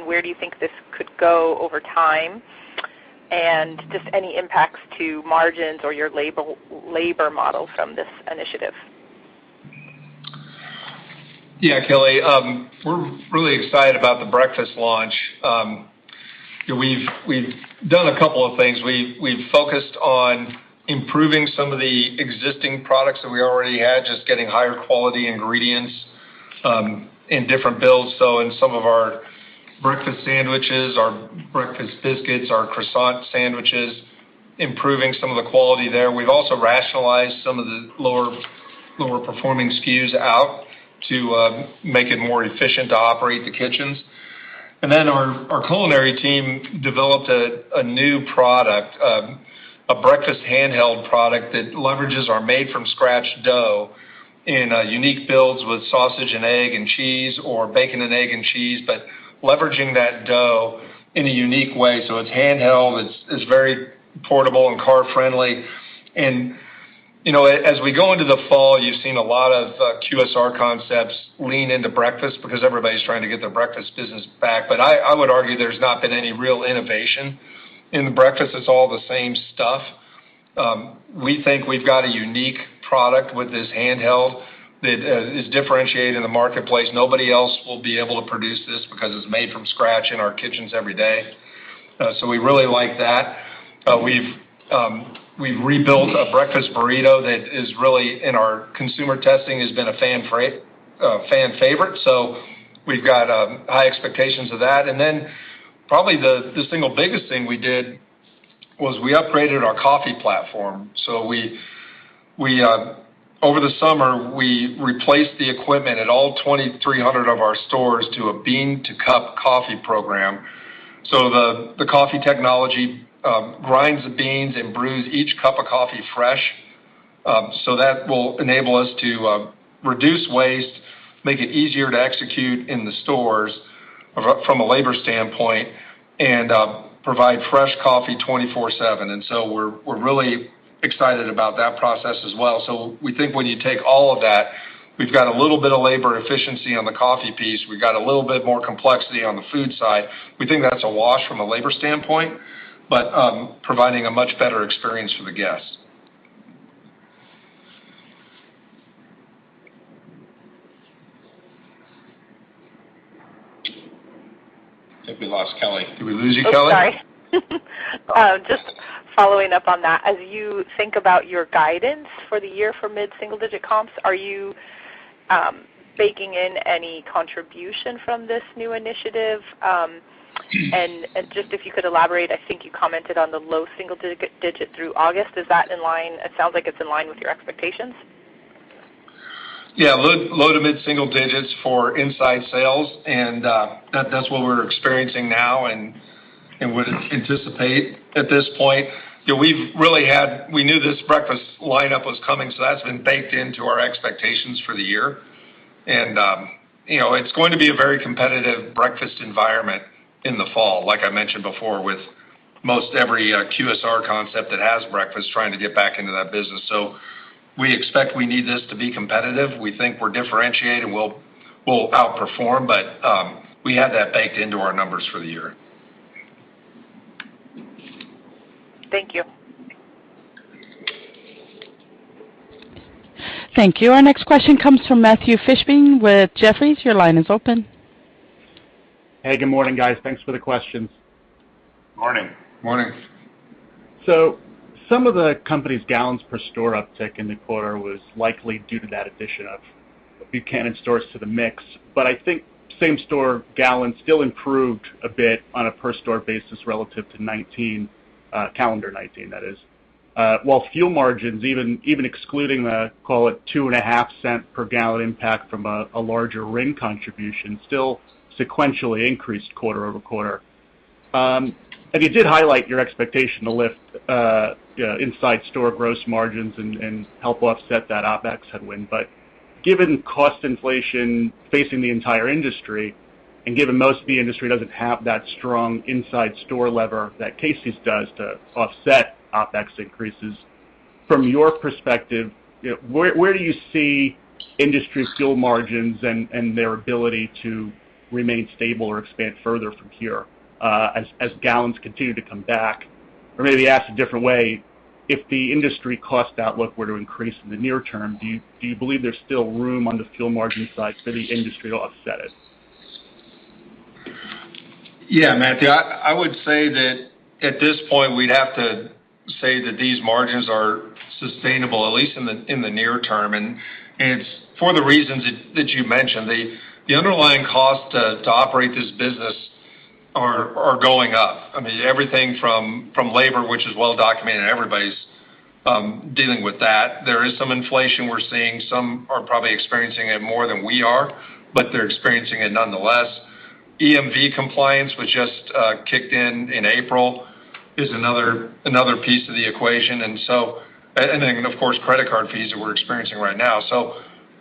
Where do you think this could go over time? Just any impacts to margins or your labor model from this initiative? Yeah, Kelly. We're really excited about the breakfast launch. We've done a couple of things. We've focused on improving some of the existing products that we already had, just getting higher quality ingredients in different builds. In some of our breakfast sandwiches, our breakfast biscuits, our croissant sandwiches, improving some of the quality there. We've also rationalized some of the lower performing SKUs out to make it more efficient to operate the kitchens. Our culinary team developed a new product, a breakfast handheld product that leverages our made-from-scratch dough in unique builds with sausage and egg and cheese, or bacon and egg and cheese, but leveraging that dough in a unique way. It's handheld, it's very portable and car friendly. As we go into the fall, you've seen a lot of QSR concepts lean into breakfast because everybody's trying to get their breakfast business back. I would argue there's not been any real innovation in the breakfast. It's all the same stuff. We think we've got a unique product with this handheld that is differentiated in the marketplace. Nobody else will be able to produce this because it's made from scratch in our kitchens every day. We really like that. We've rebuilt a breakfast burrito that in our consumer testing, has been a fan favorite, so we've got high expectations of that. Probably the single biggest thing we did was we upgraded our coffee platform. Over the summer, we replaced the equipment at all 2,300 of our stores to a bean-to-cup coffee program. The coffee technology grinds the beans and brews each cup of coffee fresh. That will enable us to reduce waste, make it easier to execute in the stores from a labor standpoint, and provide fresh coffee 24/7. We're really excited about that process as well. We think when you take all of that, we've got a little bit of labor efficiency on the coffee piece. We've got a little bit more complexity on the food side. We think that's a wash from a labor standpoint, but providing a much better experience for the guest. I think we lost Kelly. Did we lose you, Kelly? Oh, sorry. Just following up on that. As you think about your guidance for the year for mid-single digit comps, are you baking in any contribution from this new initiative? Just if you could elaborate, I think you commented on the low single digit through August. It sounds like it's in line with your expectations. Yeah. Low to mid single digits for inside sales, and that's what we're experiencing now and would anticipate at this point. We knew this breakfast lineup was coming, so that's been baked into our expectations for the year. It's going to be a very competitive breakfast environment in the fall, like I mentioned before, with most every QSR concept that has breakfast trying to get back into that business. We expect we need this to be competitive. We think we're differentiated, we'll outperform, but we have that baked into our numbers for the year. Thank you. Thank you. Our next question comes from Matthew Fishbein with Jefferies. Your line is open. Hey, good morning, guys. Thanks for the questions. Morning. Morning. Some of the company's gallons per store uptick in the quarter was likely due to that addition of the Buchanan's stores to the mix. I think same store gallons still improved a bit on a per store basis relative to 2019, calendar 2019, that is. While fuel margins, even excluding the, call it $0.025 per gallon impact from a larger RIN contribution, still sequentially increased quarter-over-quarter. You did highlight your expectation to lift inside store gross margins and help offset that OpEx headwind. Given cost inflation facing the entire industry, and given most of the industry doesn't have that strong inside store lever that Casey's does to offset OpEx increases, from your perspective, where do you see industry fuel margins and their ability to remain stable or expand further from here as gallons continue to come back? Maybe asked a different way, if the industry cost outlook were to increase in the near term, do you believe there's still room on the fuel margin side for the industry to offset it? Matthew, I would say that at this point, we'd have to say that these margins are sustainable, at least in the near term. It's for the reasons that you mentioned. The underlying cost to operate this business are going up. Everything from labor, which is well documented, everybody's dealing with that. There is some inflation we're seeing. Some are probably experiencing it more than we are. They're experiencing it nonetheless. EMV compliance, which just kicked in in April, is another piece of the equation. Of course, credit card fees that we're experiencing right now.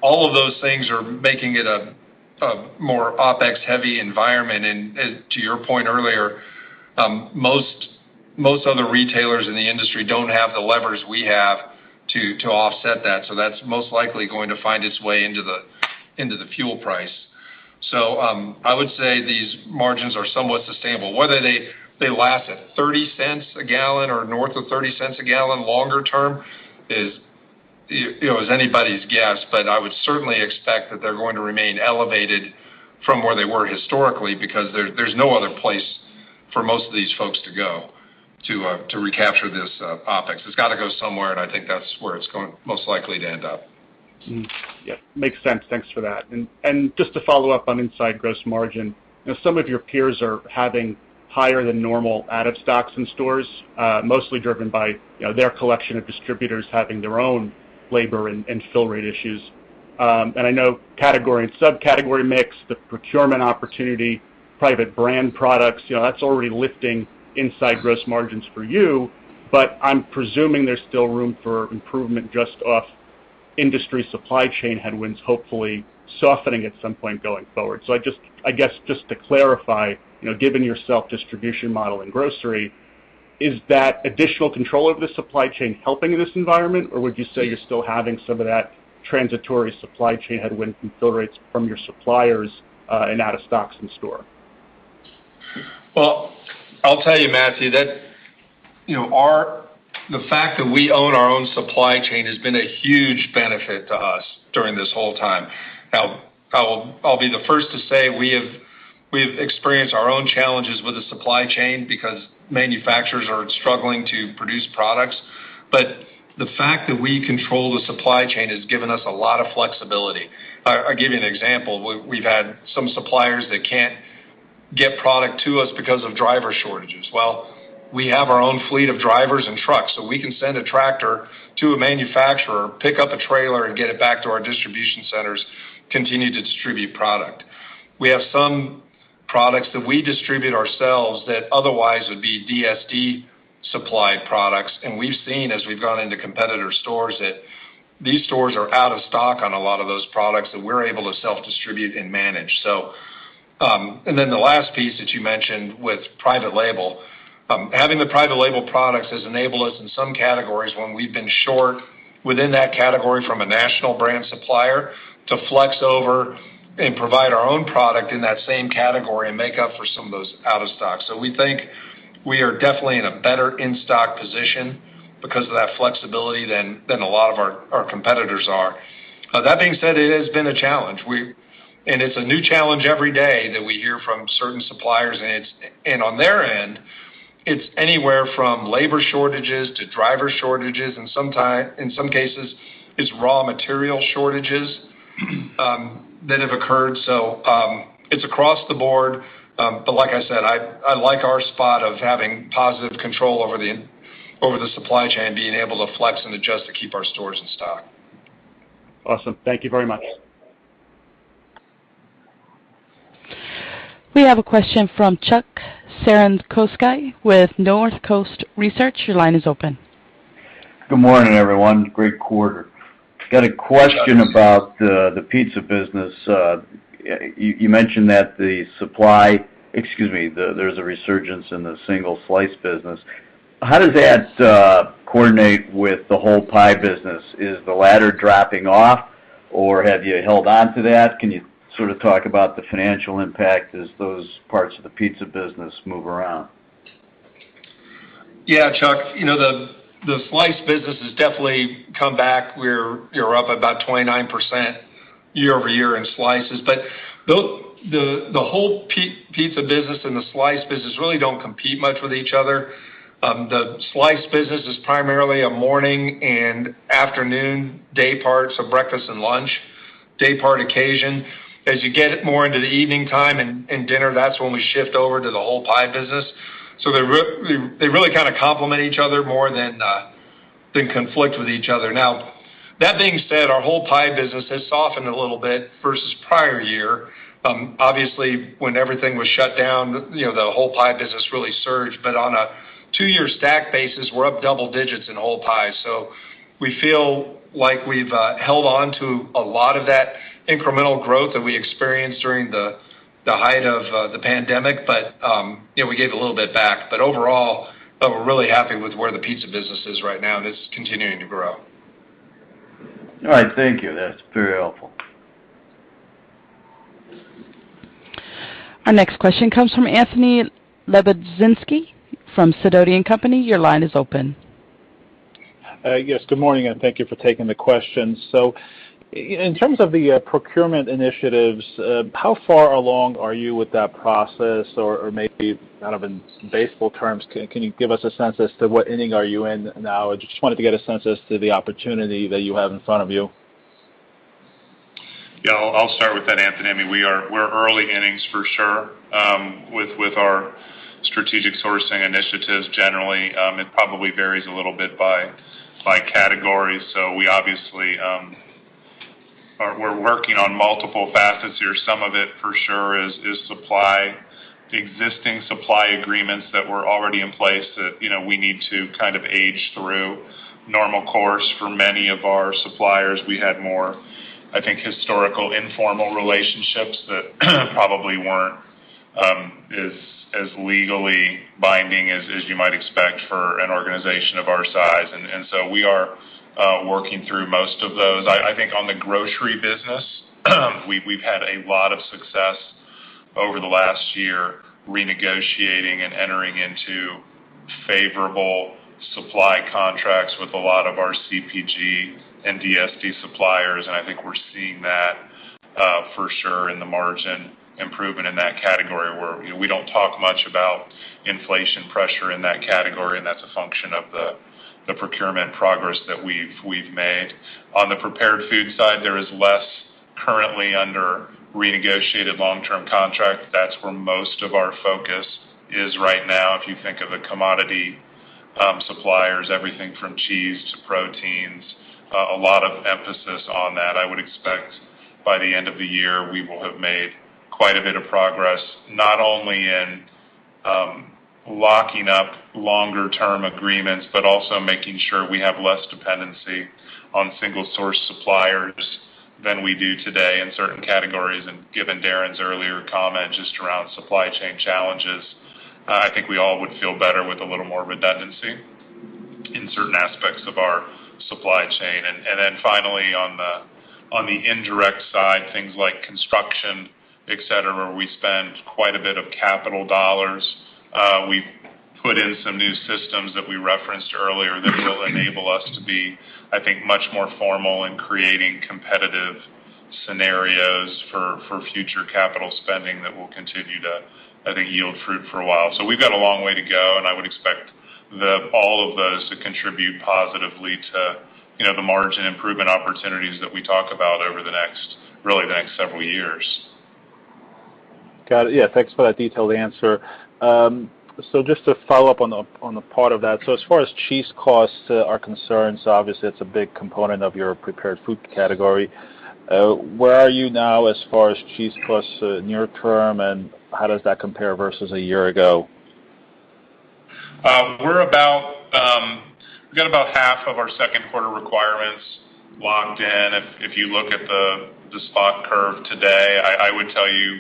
All of those things are making it a more OpEx-heavy environment. To your point earlier, most other retailers in the industry don't have the levers we have to offset that. That's most likely going to find its way into the fuel price. I would say these margins are somewhat sustainable. Whether they last at $0.30 a gallon or north of $0.30 a gallon longer term is anybody's guess. I would certainly expect that they're going to remain elevated from where they were historically, because there's no other place for most of these folks to go to recapture this OpEx. It's got to go somewhere, and I think that's where it's most likely to end up. Yeah. Makes sense. Thanks for that. Just to follow up on inside gross margin, some of your peers are having higher than normal out of stocks in stores, mostly driven by their collection of distributors having their own labor and fill rate issues. I know category and subcategory mix, the procurement opportunity, private brand products, that's already lifting inside gross margins for you, but I'm presuming there's still room for improvement just off industry supply chain headwinds, hopefully softening at some point going forward. I guess just to clarify, given your self-distribution model in grocery, is that additional control over the supply chain helping in this environment, or would you say you're still having some of that transitory supply chain headwind from fill rates from your suppliers and out of stocks in store? I'll tell you, Matthew, the fact that we own our own supply chain has been a huge benefit to us during this whole time. I'll be the first to say, we have experienced our own challenges with the supply chain because manufacturers are struggling to produce products. The fact that we control the supply chain has given us a lot of flexibility. I'll give you an example. We've had some suppliers that can't get product to us because of driver shortages. We have our own fleet of drivers and trucks, so we can send a tractor to a manufacturer, pick up a trailer, and get it back to our distribution centers, continue to distribute product. We have some products that we distribute ourselves that otherwise would be DSD supplied products. We've seen, as we've gone into competitor stores, that these stores are out of stock on a lot of those products that we're able to self-distribute and manage. The last piece that you mentioned with private label, having the private label products has enabled us in some categories when we've been short within that category from a national brand supplier to flex over and provide our own product in that same category and make up for some of those out of stocks. We think we are definitely in a better in-stock position because of that flexibility than a lot of our competitors are. That being said, it has been a challenge. It's a new challenge every day that we hear from certain suppliers. On their end, it's anywhere from labor shortages to driver shortages, and in some cases, it's raw material shortages that have occurred. It's across the board. Like I said, I like our spot of having positive control over the supply chain, being able to flex and adjust to keep our stores in stock. Awesome. Thank you very much. We have a question from Chuck Cerankosky with Northcoast Research. Your line is open. Good morning, everyone. Great quarter. Got a question about the pizza business. You mentioned that there's a resurgence in the single slice business. How does that coordinate with the whole pie business? Is the latter dropping off, or have you held on to that? Can you sort of talk about the financial impact as those parts of the pizza business move around? Yeah, Chuck. The slice business has definitely come back. We're up about 29% year-over-year in slices. The whole pizza business and the slice business really don't compete much with each other. The slice business is primarily a morning and afternoon day-part, so breakfast and lunch, day-part occasion. As you get more into the evening time and dinner, that's when we shift over to the whole pie business. They really kind of complement each other more than conflict with each other. Now, that being said, our whole pie business has softened a little bit versus prior year. Obviously, when everything was shut down, the whole pie business really surged. On a two-year stack basis, we're up double digits in whole pies. We feel like we've held on to a lot of that incremental growth that we experienced during the height of the pandemic. We gave a little bit back. Overall, we're really happy with where the pizza business is right now, and it's continuing to grow. All right. Thank you. That's very helpful. Our next question comes from Anthony Lebiedzinski from Sidoti & Company. Your line is open. Yes, good morning, and thank you for taking the questions. In terms of the procurement initiatives, how far along are you with that process? Or maybe kind of in baseball terms, can you give us a sense as to what inning are you in now? I just wanted to get a sense as to the opportunity that you have in front of you. Yeah, I'll start with that, Anthony. We're early innings for sure with our strategic sourcing initiatives generally. It probably varies a little bit by category. We obviously are working on multiple facets here. Some of it for sure is supply, existing supply agreements that were already in place that we need to age through normal course for many of our suppliers. We had more, I think, historical informal relationships that probably weren't as legally binding as you might expect for an organization of our size. We are working through most of those. I think on the grocery business, we've had a lot of success over the last year renegotiating and entering into favorable supply contracts with a lot of our CPG and DSD suppliers. I think we're seeing that for sure in the margin improvement in that category, where we don't talk much about inflation pressure in that category, and that's a function of the procurement progress that we've made. On the prepared food side, there is less currently under renegotiated long-term contract. That's where most of our focus is right now. If you think of the commodity suppliers, everything from cheese to proteins, a lot of emphasis on that. I would expect by the end of the year, we will have made quite a bit of progress, not only in locking up longer-term agreements, but also making sure we have less dependency on single-source suppliers than we do today in certain categories. Given Darren's earlier comment just around supply chain challenges, I think we all would feel better with a little more redundancy in certain aspects of our supply chain. Finally on the indirect side, things like construction, et cetera, where we spend quite a bit of capital dollars. We put in some new systems that we referenced earlier that will enable us to be, I think, much more formal in creating competitive scenarios for future capital spending that will continue to, I think, yield fruit for a while. We've got a long way to go, and I would expect all of those to contribute positively to the margin improvement opportunities that we talk about over the next, really, next several years. Got it. Yeah, thanks for that detailed answer. Just to follow up on the part of that. As far as cheese costs are concerned, so obviously that's a big component of your prepared food category. Where are you now as far as cheese costs near term, and how does that compare versus a year ago? We've got about half of our second quarter requirements locked in. If you look at the spot curve today, I would tell you,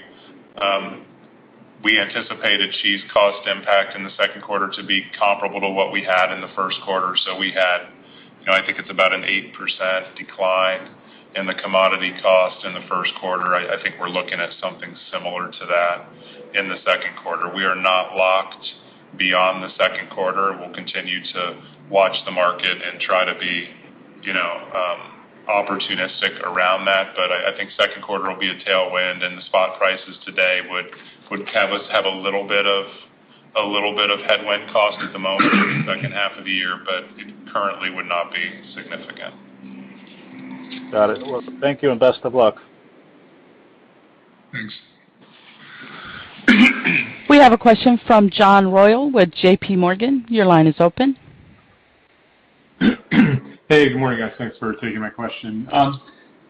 we anticipated cheese cost impact in the second quarter to be comparable to what we had in the first quarter. We had, I think it's about an 8% decline in the commodity cost in the first quarter. I think we're looking at something similar to that in the second quarter. We are not locked beyond the second quarter. We'll continue to watch the market and try to be opportunistic around that. I think second quarter will be a tailwind, and the spot prices today would have us have a little bit of headwind cost at the moment in the second half of the year, but it currently would not be significant. Got it. Well, thank you and best of luck. Thanks. We have a question from John Royall with JPMorgan. Your line is open. Hey, good morning, guys. Thanks for taking my question.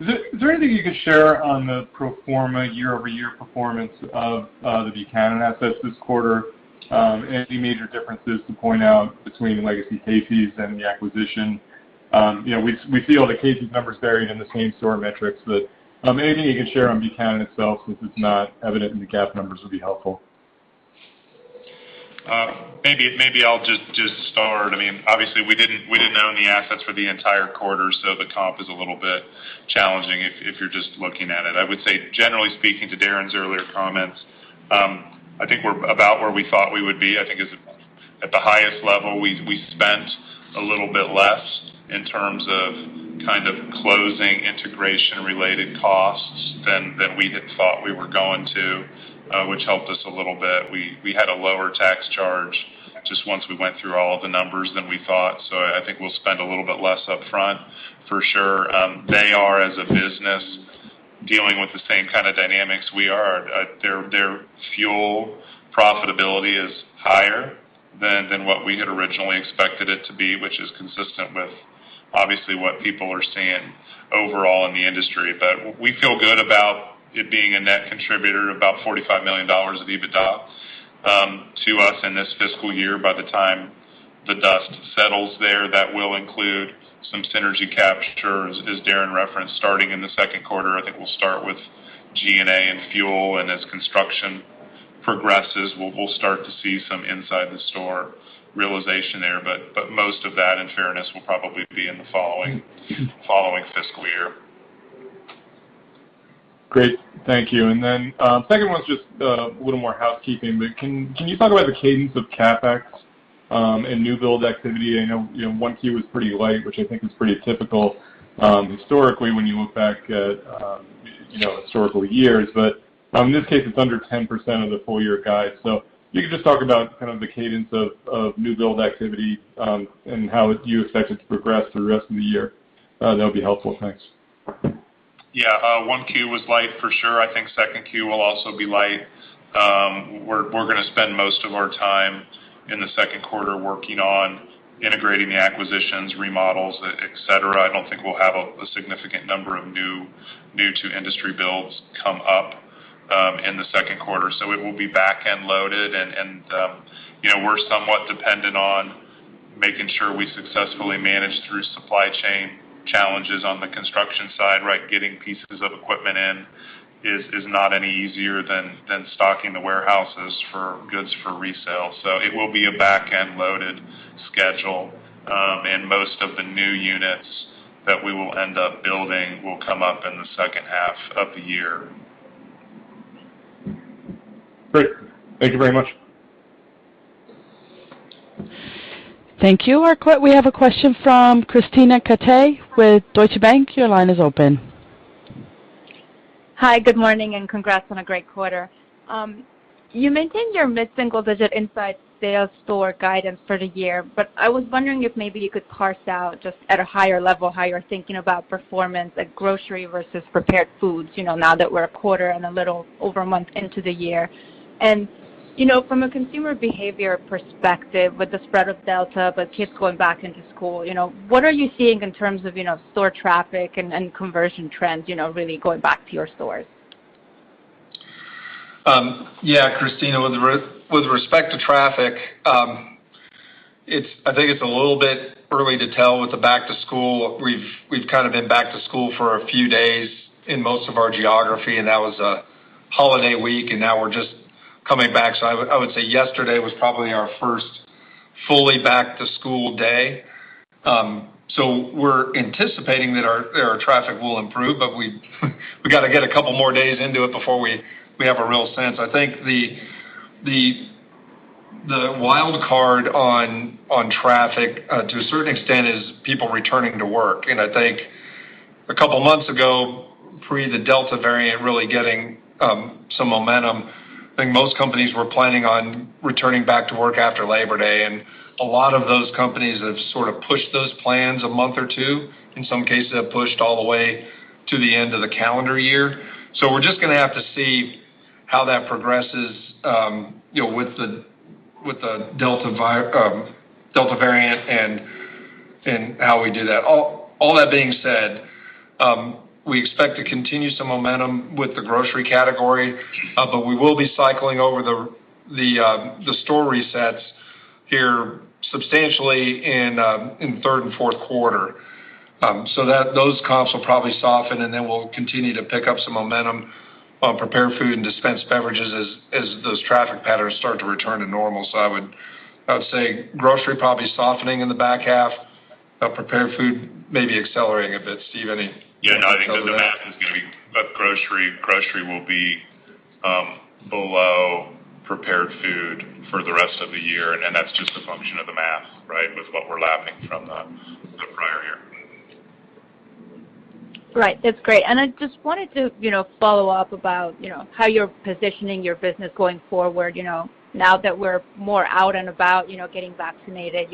Is there anything you could share on the pro forma year-over-year performance of the Buchanan assets this quarter? Any major differences to point out between legacy Casey's and the acquisition? We see all the Casey's numbers varied in the same store metrics, but anything you can share on Buchanan itself, since it's not evident in the GAAP numbers, would be helpful. Maybe I'll just start. Obviously, we didn't own the assets for the entire quarter. The comp is a little bit challenging if you're just looking at it. I would say, generally speaking to Darren's earlier comments, I think we're about where we thought we would be. I think at the highest level, we spent a little bit less in terms of closing integration-related costs than we had thought we were going to, which helped us a little bit. We had a lower tax charge just once we went through all the numbers than we thought. I think we'll spend a little bit less upfront for sure. They are, as a business, dealing with the same kind of dynamics we are. Their fuel profitability is higher than what we had originally expected it to be, which is consistent with, obviously, what people are seeing overall in the industry. We feel good about it being a net contributor, about $45 million of EBITDA to us in this fiscal year. By the time the dust settles there, that will include some synergy captures, as Darren referenced, starting in the second quarter. I think we'll start with G&A and fuel, and as construction progresses, we'll start to see some inside-the-store realization there. Most of that, in fairness, will probably be in the following fiscal year. Great. Thank you. Then second one's just a little more housekeeping, but can you talk about the cadence of CapEx and new build activity? I know 1Q was pretty light, which I think is pretty typical historically when you look back at historical years. In this case, it's under 10% of the full-year guide. If you could just talk about kind of the cadence of new build activity and how you expect it to progress through the rest of the year, that would be helpful. Thanks. Yeah. 1Q was light for sure. I think 2Q will also be light. We're going to spend most of our time in the second quarter working on integrating the acquisitions, remodels, et cetera. I don't think we'll have a significant number of new-to-industry builds come up in the second quarter. It will be back-end loaded and we're somewhat dependent on making sure we successfully manage through supply chain challenges on the construction side, right? Getting pieces of equipment in is not any easier than stocking the warehouses for goods for resale. It will be a back-end loaded schedule. Most of the new units that we will end up building will come up in the second half of the year. Great. Thank you very much. Thank you. We have a question from Krisztina Katai with Deutsche Bank. Your line is open. Hi, good morning, and congrats on a great quarter. You maintained your mid-single digit inside sales store guidance for the year, but I was wondering if maybe you could parse out, just at a higher level, how you're thinking about performance at grocery versus prepared foods, now that we're a quarter and a little over one month into the year. From a consumer behavior perspective, with the spread of Delta, but kids going back into school, what are you seeing in terms of store traffic and conversion trends really going back to your stores? Yeah, Krisztina Katai, with respect to traffic, I think it's a little bit early to tell with the back to school. We've kind of been back to school for a few days in most of our geography, and that was a holiday week, and now we're just coming back. I would say yesterday was probably our first fully back to school day. We're anticipating that our traffic will improve, but we've got to get a couple more days into it before we have a real sense. I think the wild card on traffic, to a certain extent, is people returning to work. I think a couple of months ago, pre the Delta variant really getting some momentum, I think most companies were planning on returning back to work after Labor Day, and a lot of those companies have sort of pushed those plans a month or two. In some cases, have pushed all the way to the end of the calendar year. We're just going to have to see how that progresses with the Delta variant and how we do that. All that being said, we expect to continue some momentum with the grocery category, but we will be cycling over the store resets here substantially in third and fourth quarter. Those comps will probably soften, and then we'll continue to pick up some momentum on prepared food and dispensed beverages as those traffic patterns start to return to normal. I would say grocery probably softening in the back half, prepared food maybe accelerating a bit. Steve, Yeah, no, I think the math is going to be that grocery will be below prepared food for the rest of the year, and that's just a function of the math, right? With what we're lapping from the prior year. Right. That's great. I just wanted to follow up about how you're positioning your business going forward now that we're more out and about getting vaccinated.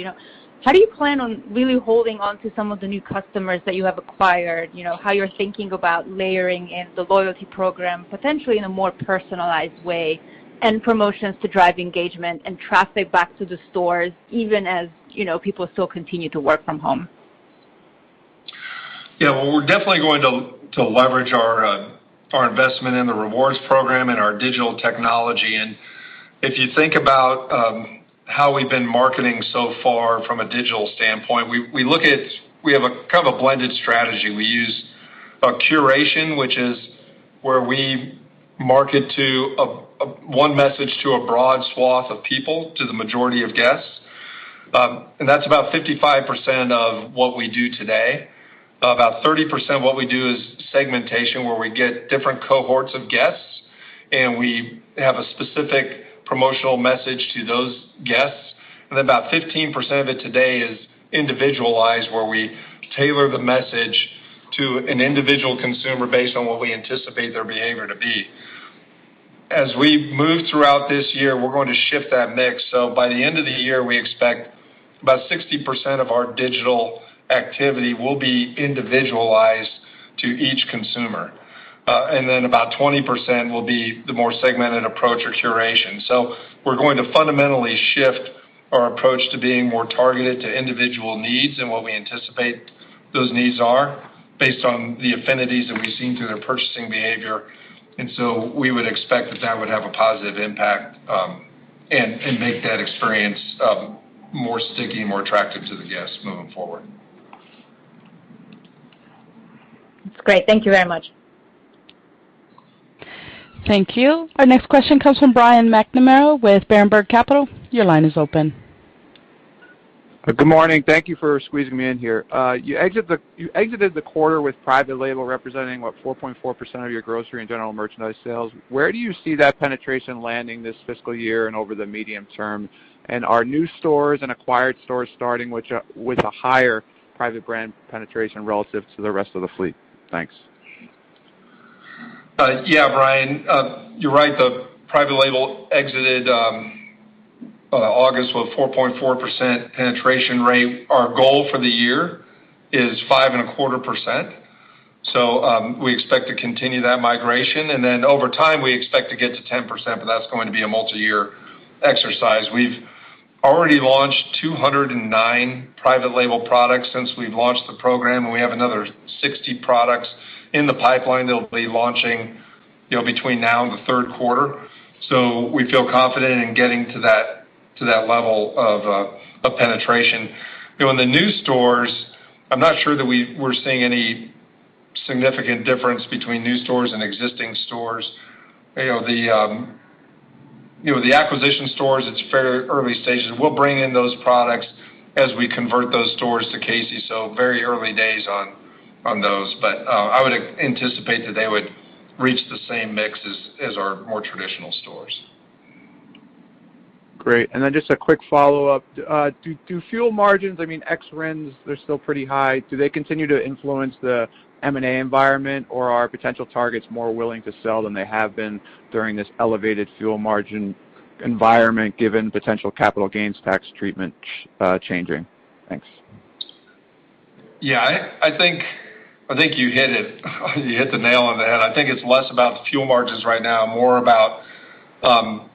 How do you plan on really holding onto some of the new customers that you have acquired? How you're thinking about layering in the loyalty program, potentially in a more personalized way, and promotions to drive engagement and traffic back to the stores even as people still continue to work from home? Yeah. Well, we're definitely going to leverage our investment in the Casey's Rewards program and our digital technology. If you think about how we've been marketing so far from a digital standpoint, we have kind of a blended strategy. We use a curation, which is where we market one message to a broad swath of people, to the majority of guests. That's about 55% of what we do today. About 30% of what we do is segmentation, where we get different cohorts of guests and we have a specific promotional message to those guests. Then about 15% of it today is individualized, where we tailor the message to an individual consumer based on what we anticipate their behavior to be. As we move throughout this year, we're going to shift that mix, so by the end of the year, we expect about 60% of our digital activity will be individualized to each consumer. About 20% will be the more segmented approach or curation. We're going to fundamentally shift our approach to being more targeted to individual needs and what we anticipate those needs are based on the affinities that we've seen through their purchasing behavior. We would expect that that would have a positive impact and make that experience more sticky, more attractive to the guests moving forward. That's great. Thank you very much. Thank you. Our next question comes from Brian McNamara with Berenberg Capital. Your line is open. Good morning. Thank you for squeezing me in here. You exited the quarter with private label representing, what, 4.4% of your grocery and general merchandise sales. Where do you see that penetration landing this fiscal year and over the medium term? Are new stores and acquired stores starting with a higher private brand penetration relative to the rest of the fleet? Thanks. Yeah, Brian. You're right. The private label exited August with 4.4% penetration rate. Our goal for the year is 5.25%. We expect to continue that migration. Then over time, we expect to get to 10%, but that's going to be a multi-year exercise. We've already launched 209 private label products since we've launched the program, and we have another 60 products in the pipeline that'll be launching between now and the third quarter. We feel confident in getting to that level of penetration. In the new stores, I'm not sure that we're seeing any significant difference between new stores and existing stores. The acquisition stores, it's very early stages. We'll bring in those products as we convert those stores to Casey's. Very early days on those. I would anticipate that they would reach the same mix as our more traditional stores. Great. Just a quick follow-up. Do fuel margins, I mean, RINs, they're still pretty high. Do they continue to influence the M&A environment, or are potential targets more willing to sell than they have been during this elevated fuel margin environment, given potential capital gains tax treatment changing? Thanks. Yeah, I think you hit the nail on the head. I think it's less about the fuel margins right now, more about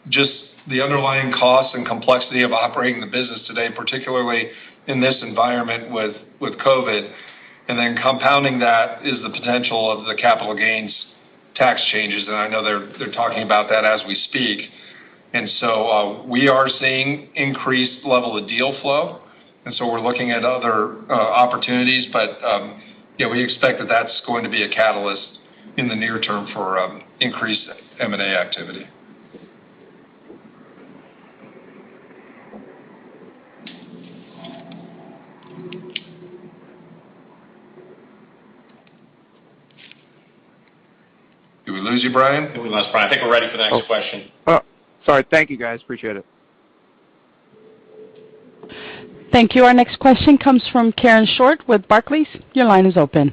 just the underlying cost and complexity of operating the business today, particularly in this environment with COVID-19. Compounding that is the potential of the capital gains tax changes, and I know they're talking about that as we speak. We are seeing increased level of deal flow, and so we're looking at other opportunities. Yeah, we expect that that's going to be a catalyst in the near term for increased M&A activity. Did we lose you, Brian? We lost Brian. I think we're ready for the next question. Oh, sorry. Thank you, guys. Appreciate it. Thank you. Our next question comes from Karen Short with Barclays. Your line is open.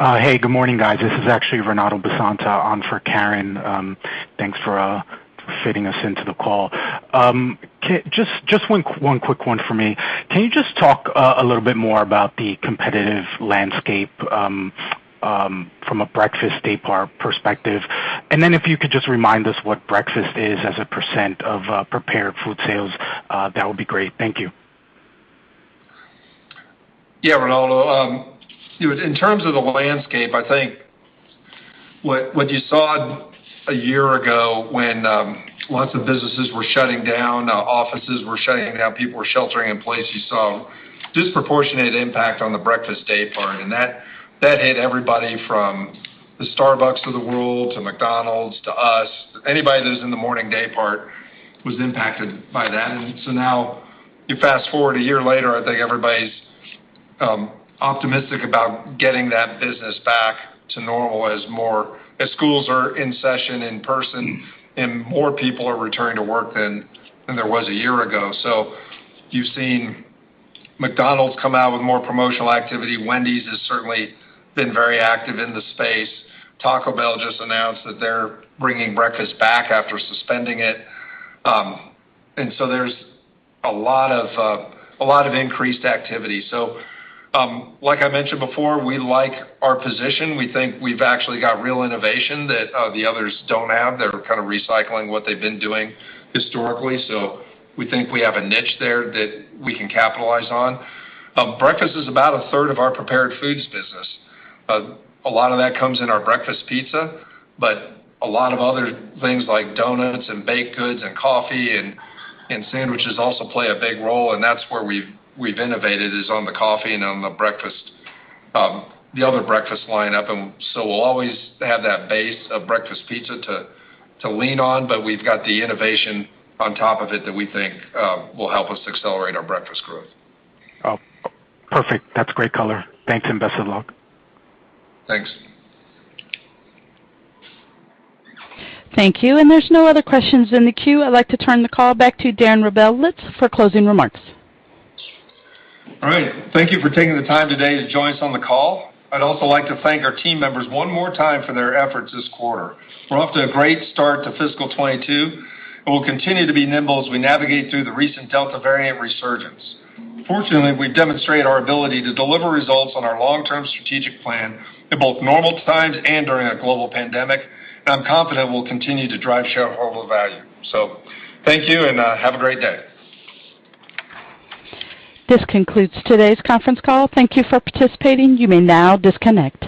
Hey, good morning, guys. This is actually Renato Basanta on for Karen. Thanks for fitting us into the call. Just one quick one for me. Can you just talk a little bit more about the competitive landscape from a breakfast day part perspective? If you could just remind us what breakfast is as a percent of prepared food sales, that would be great. Thank you. Yeah, Renato. In terms of the landscape, I think what you saw a year ago when lots of businesses were shutting down, offices were shutting down, people were sheltering in place, you saw disproportionate impact on the breakfast day part, and that hit everybody from the Starbucks of the world to McDonald's to us. Anybody that was in the morning day part was impacted by that. Now you fast-forward a year later, I think everybody's optimistic about getting that business back to normal as schools are in session in person and more people are returning to work than there was a year ago. You've seen McDonald's come out with more promotional activity. Wendy's has certainly been very active in the space. Taco Bell just announced that they're bringing breakfast back after suspending it. There's a lot of increased activity. Like I mentioned before, we like our position. We think we've actually got real innovation that the others don't have. They're kind of recycling what they've been doing historically. We think we have a niche there that we can capitalize on. Breakfast is about a third of our prepared foods business. A lot of that comes in our breakfast pizza, but a lot of other things like donuts and baked goods and coffee and sandwiches also play a big role, and that's where we've innovated is on the coffee and on the other breakfast lineup. We'll always have that base of breakfast pizza to lean on. We've got the innovation on top of it that we think will help us accelerate our breakfast growth. Oh, perfect. That's great color. Thanks, and best of luck. Thanks. Thank you. There's no other questions in the queue. I'd like to turn the call back to Darren Rebelez for closing remarks. All right. Thank you for taking the time today to join us on the call. I'd also like to thank our team members one more time for their efforts this quarter. We're off to a great start to fiscal 2022, and we'll continue to be nimble as we navigate through the recent Delta variant resurgence. Fortunately, we've demonstrated our ability to deliver results on our long-term strategic plan in both normal times and during a global pandemic, and I'm confident we'll continue to drive shareholder value. Thank you, and have a great day. This concludes today's conference call. Thank you for participating. You may now disconnect.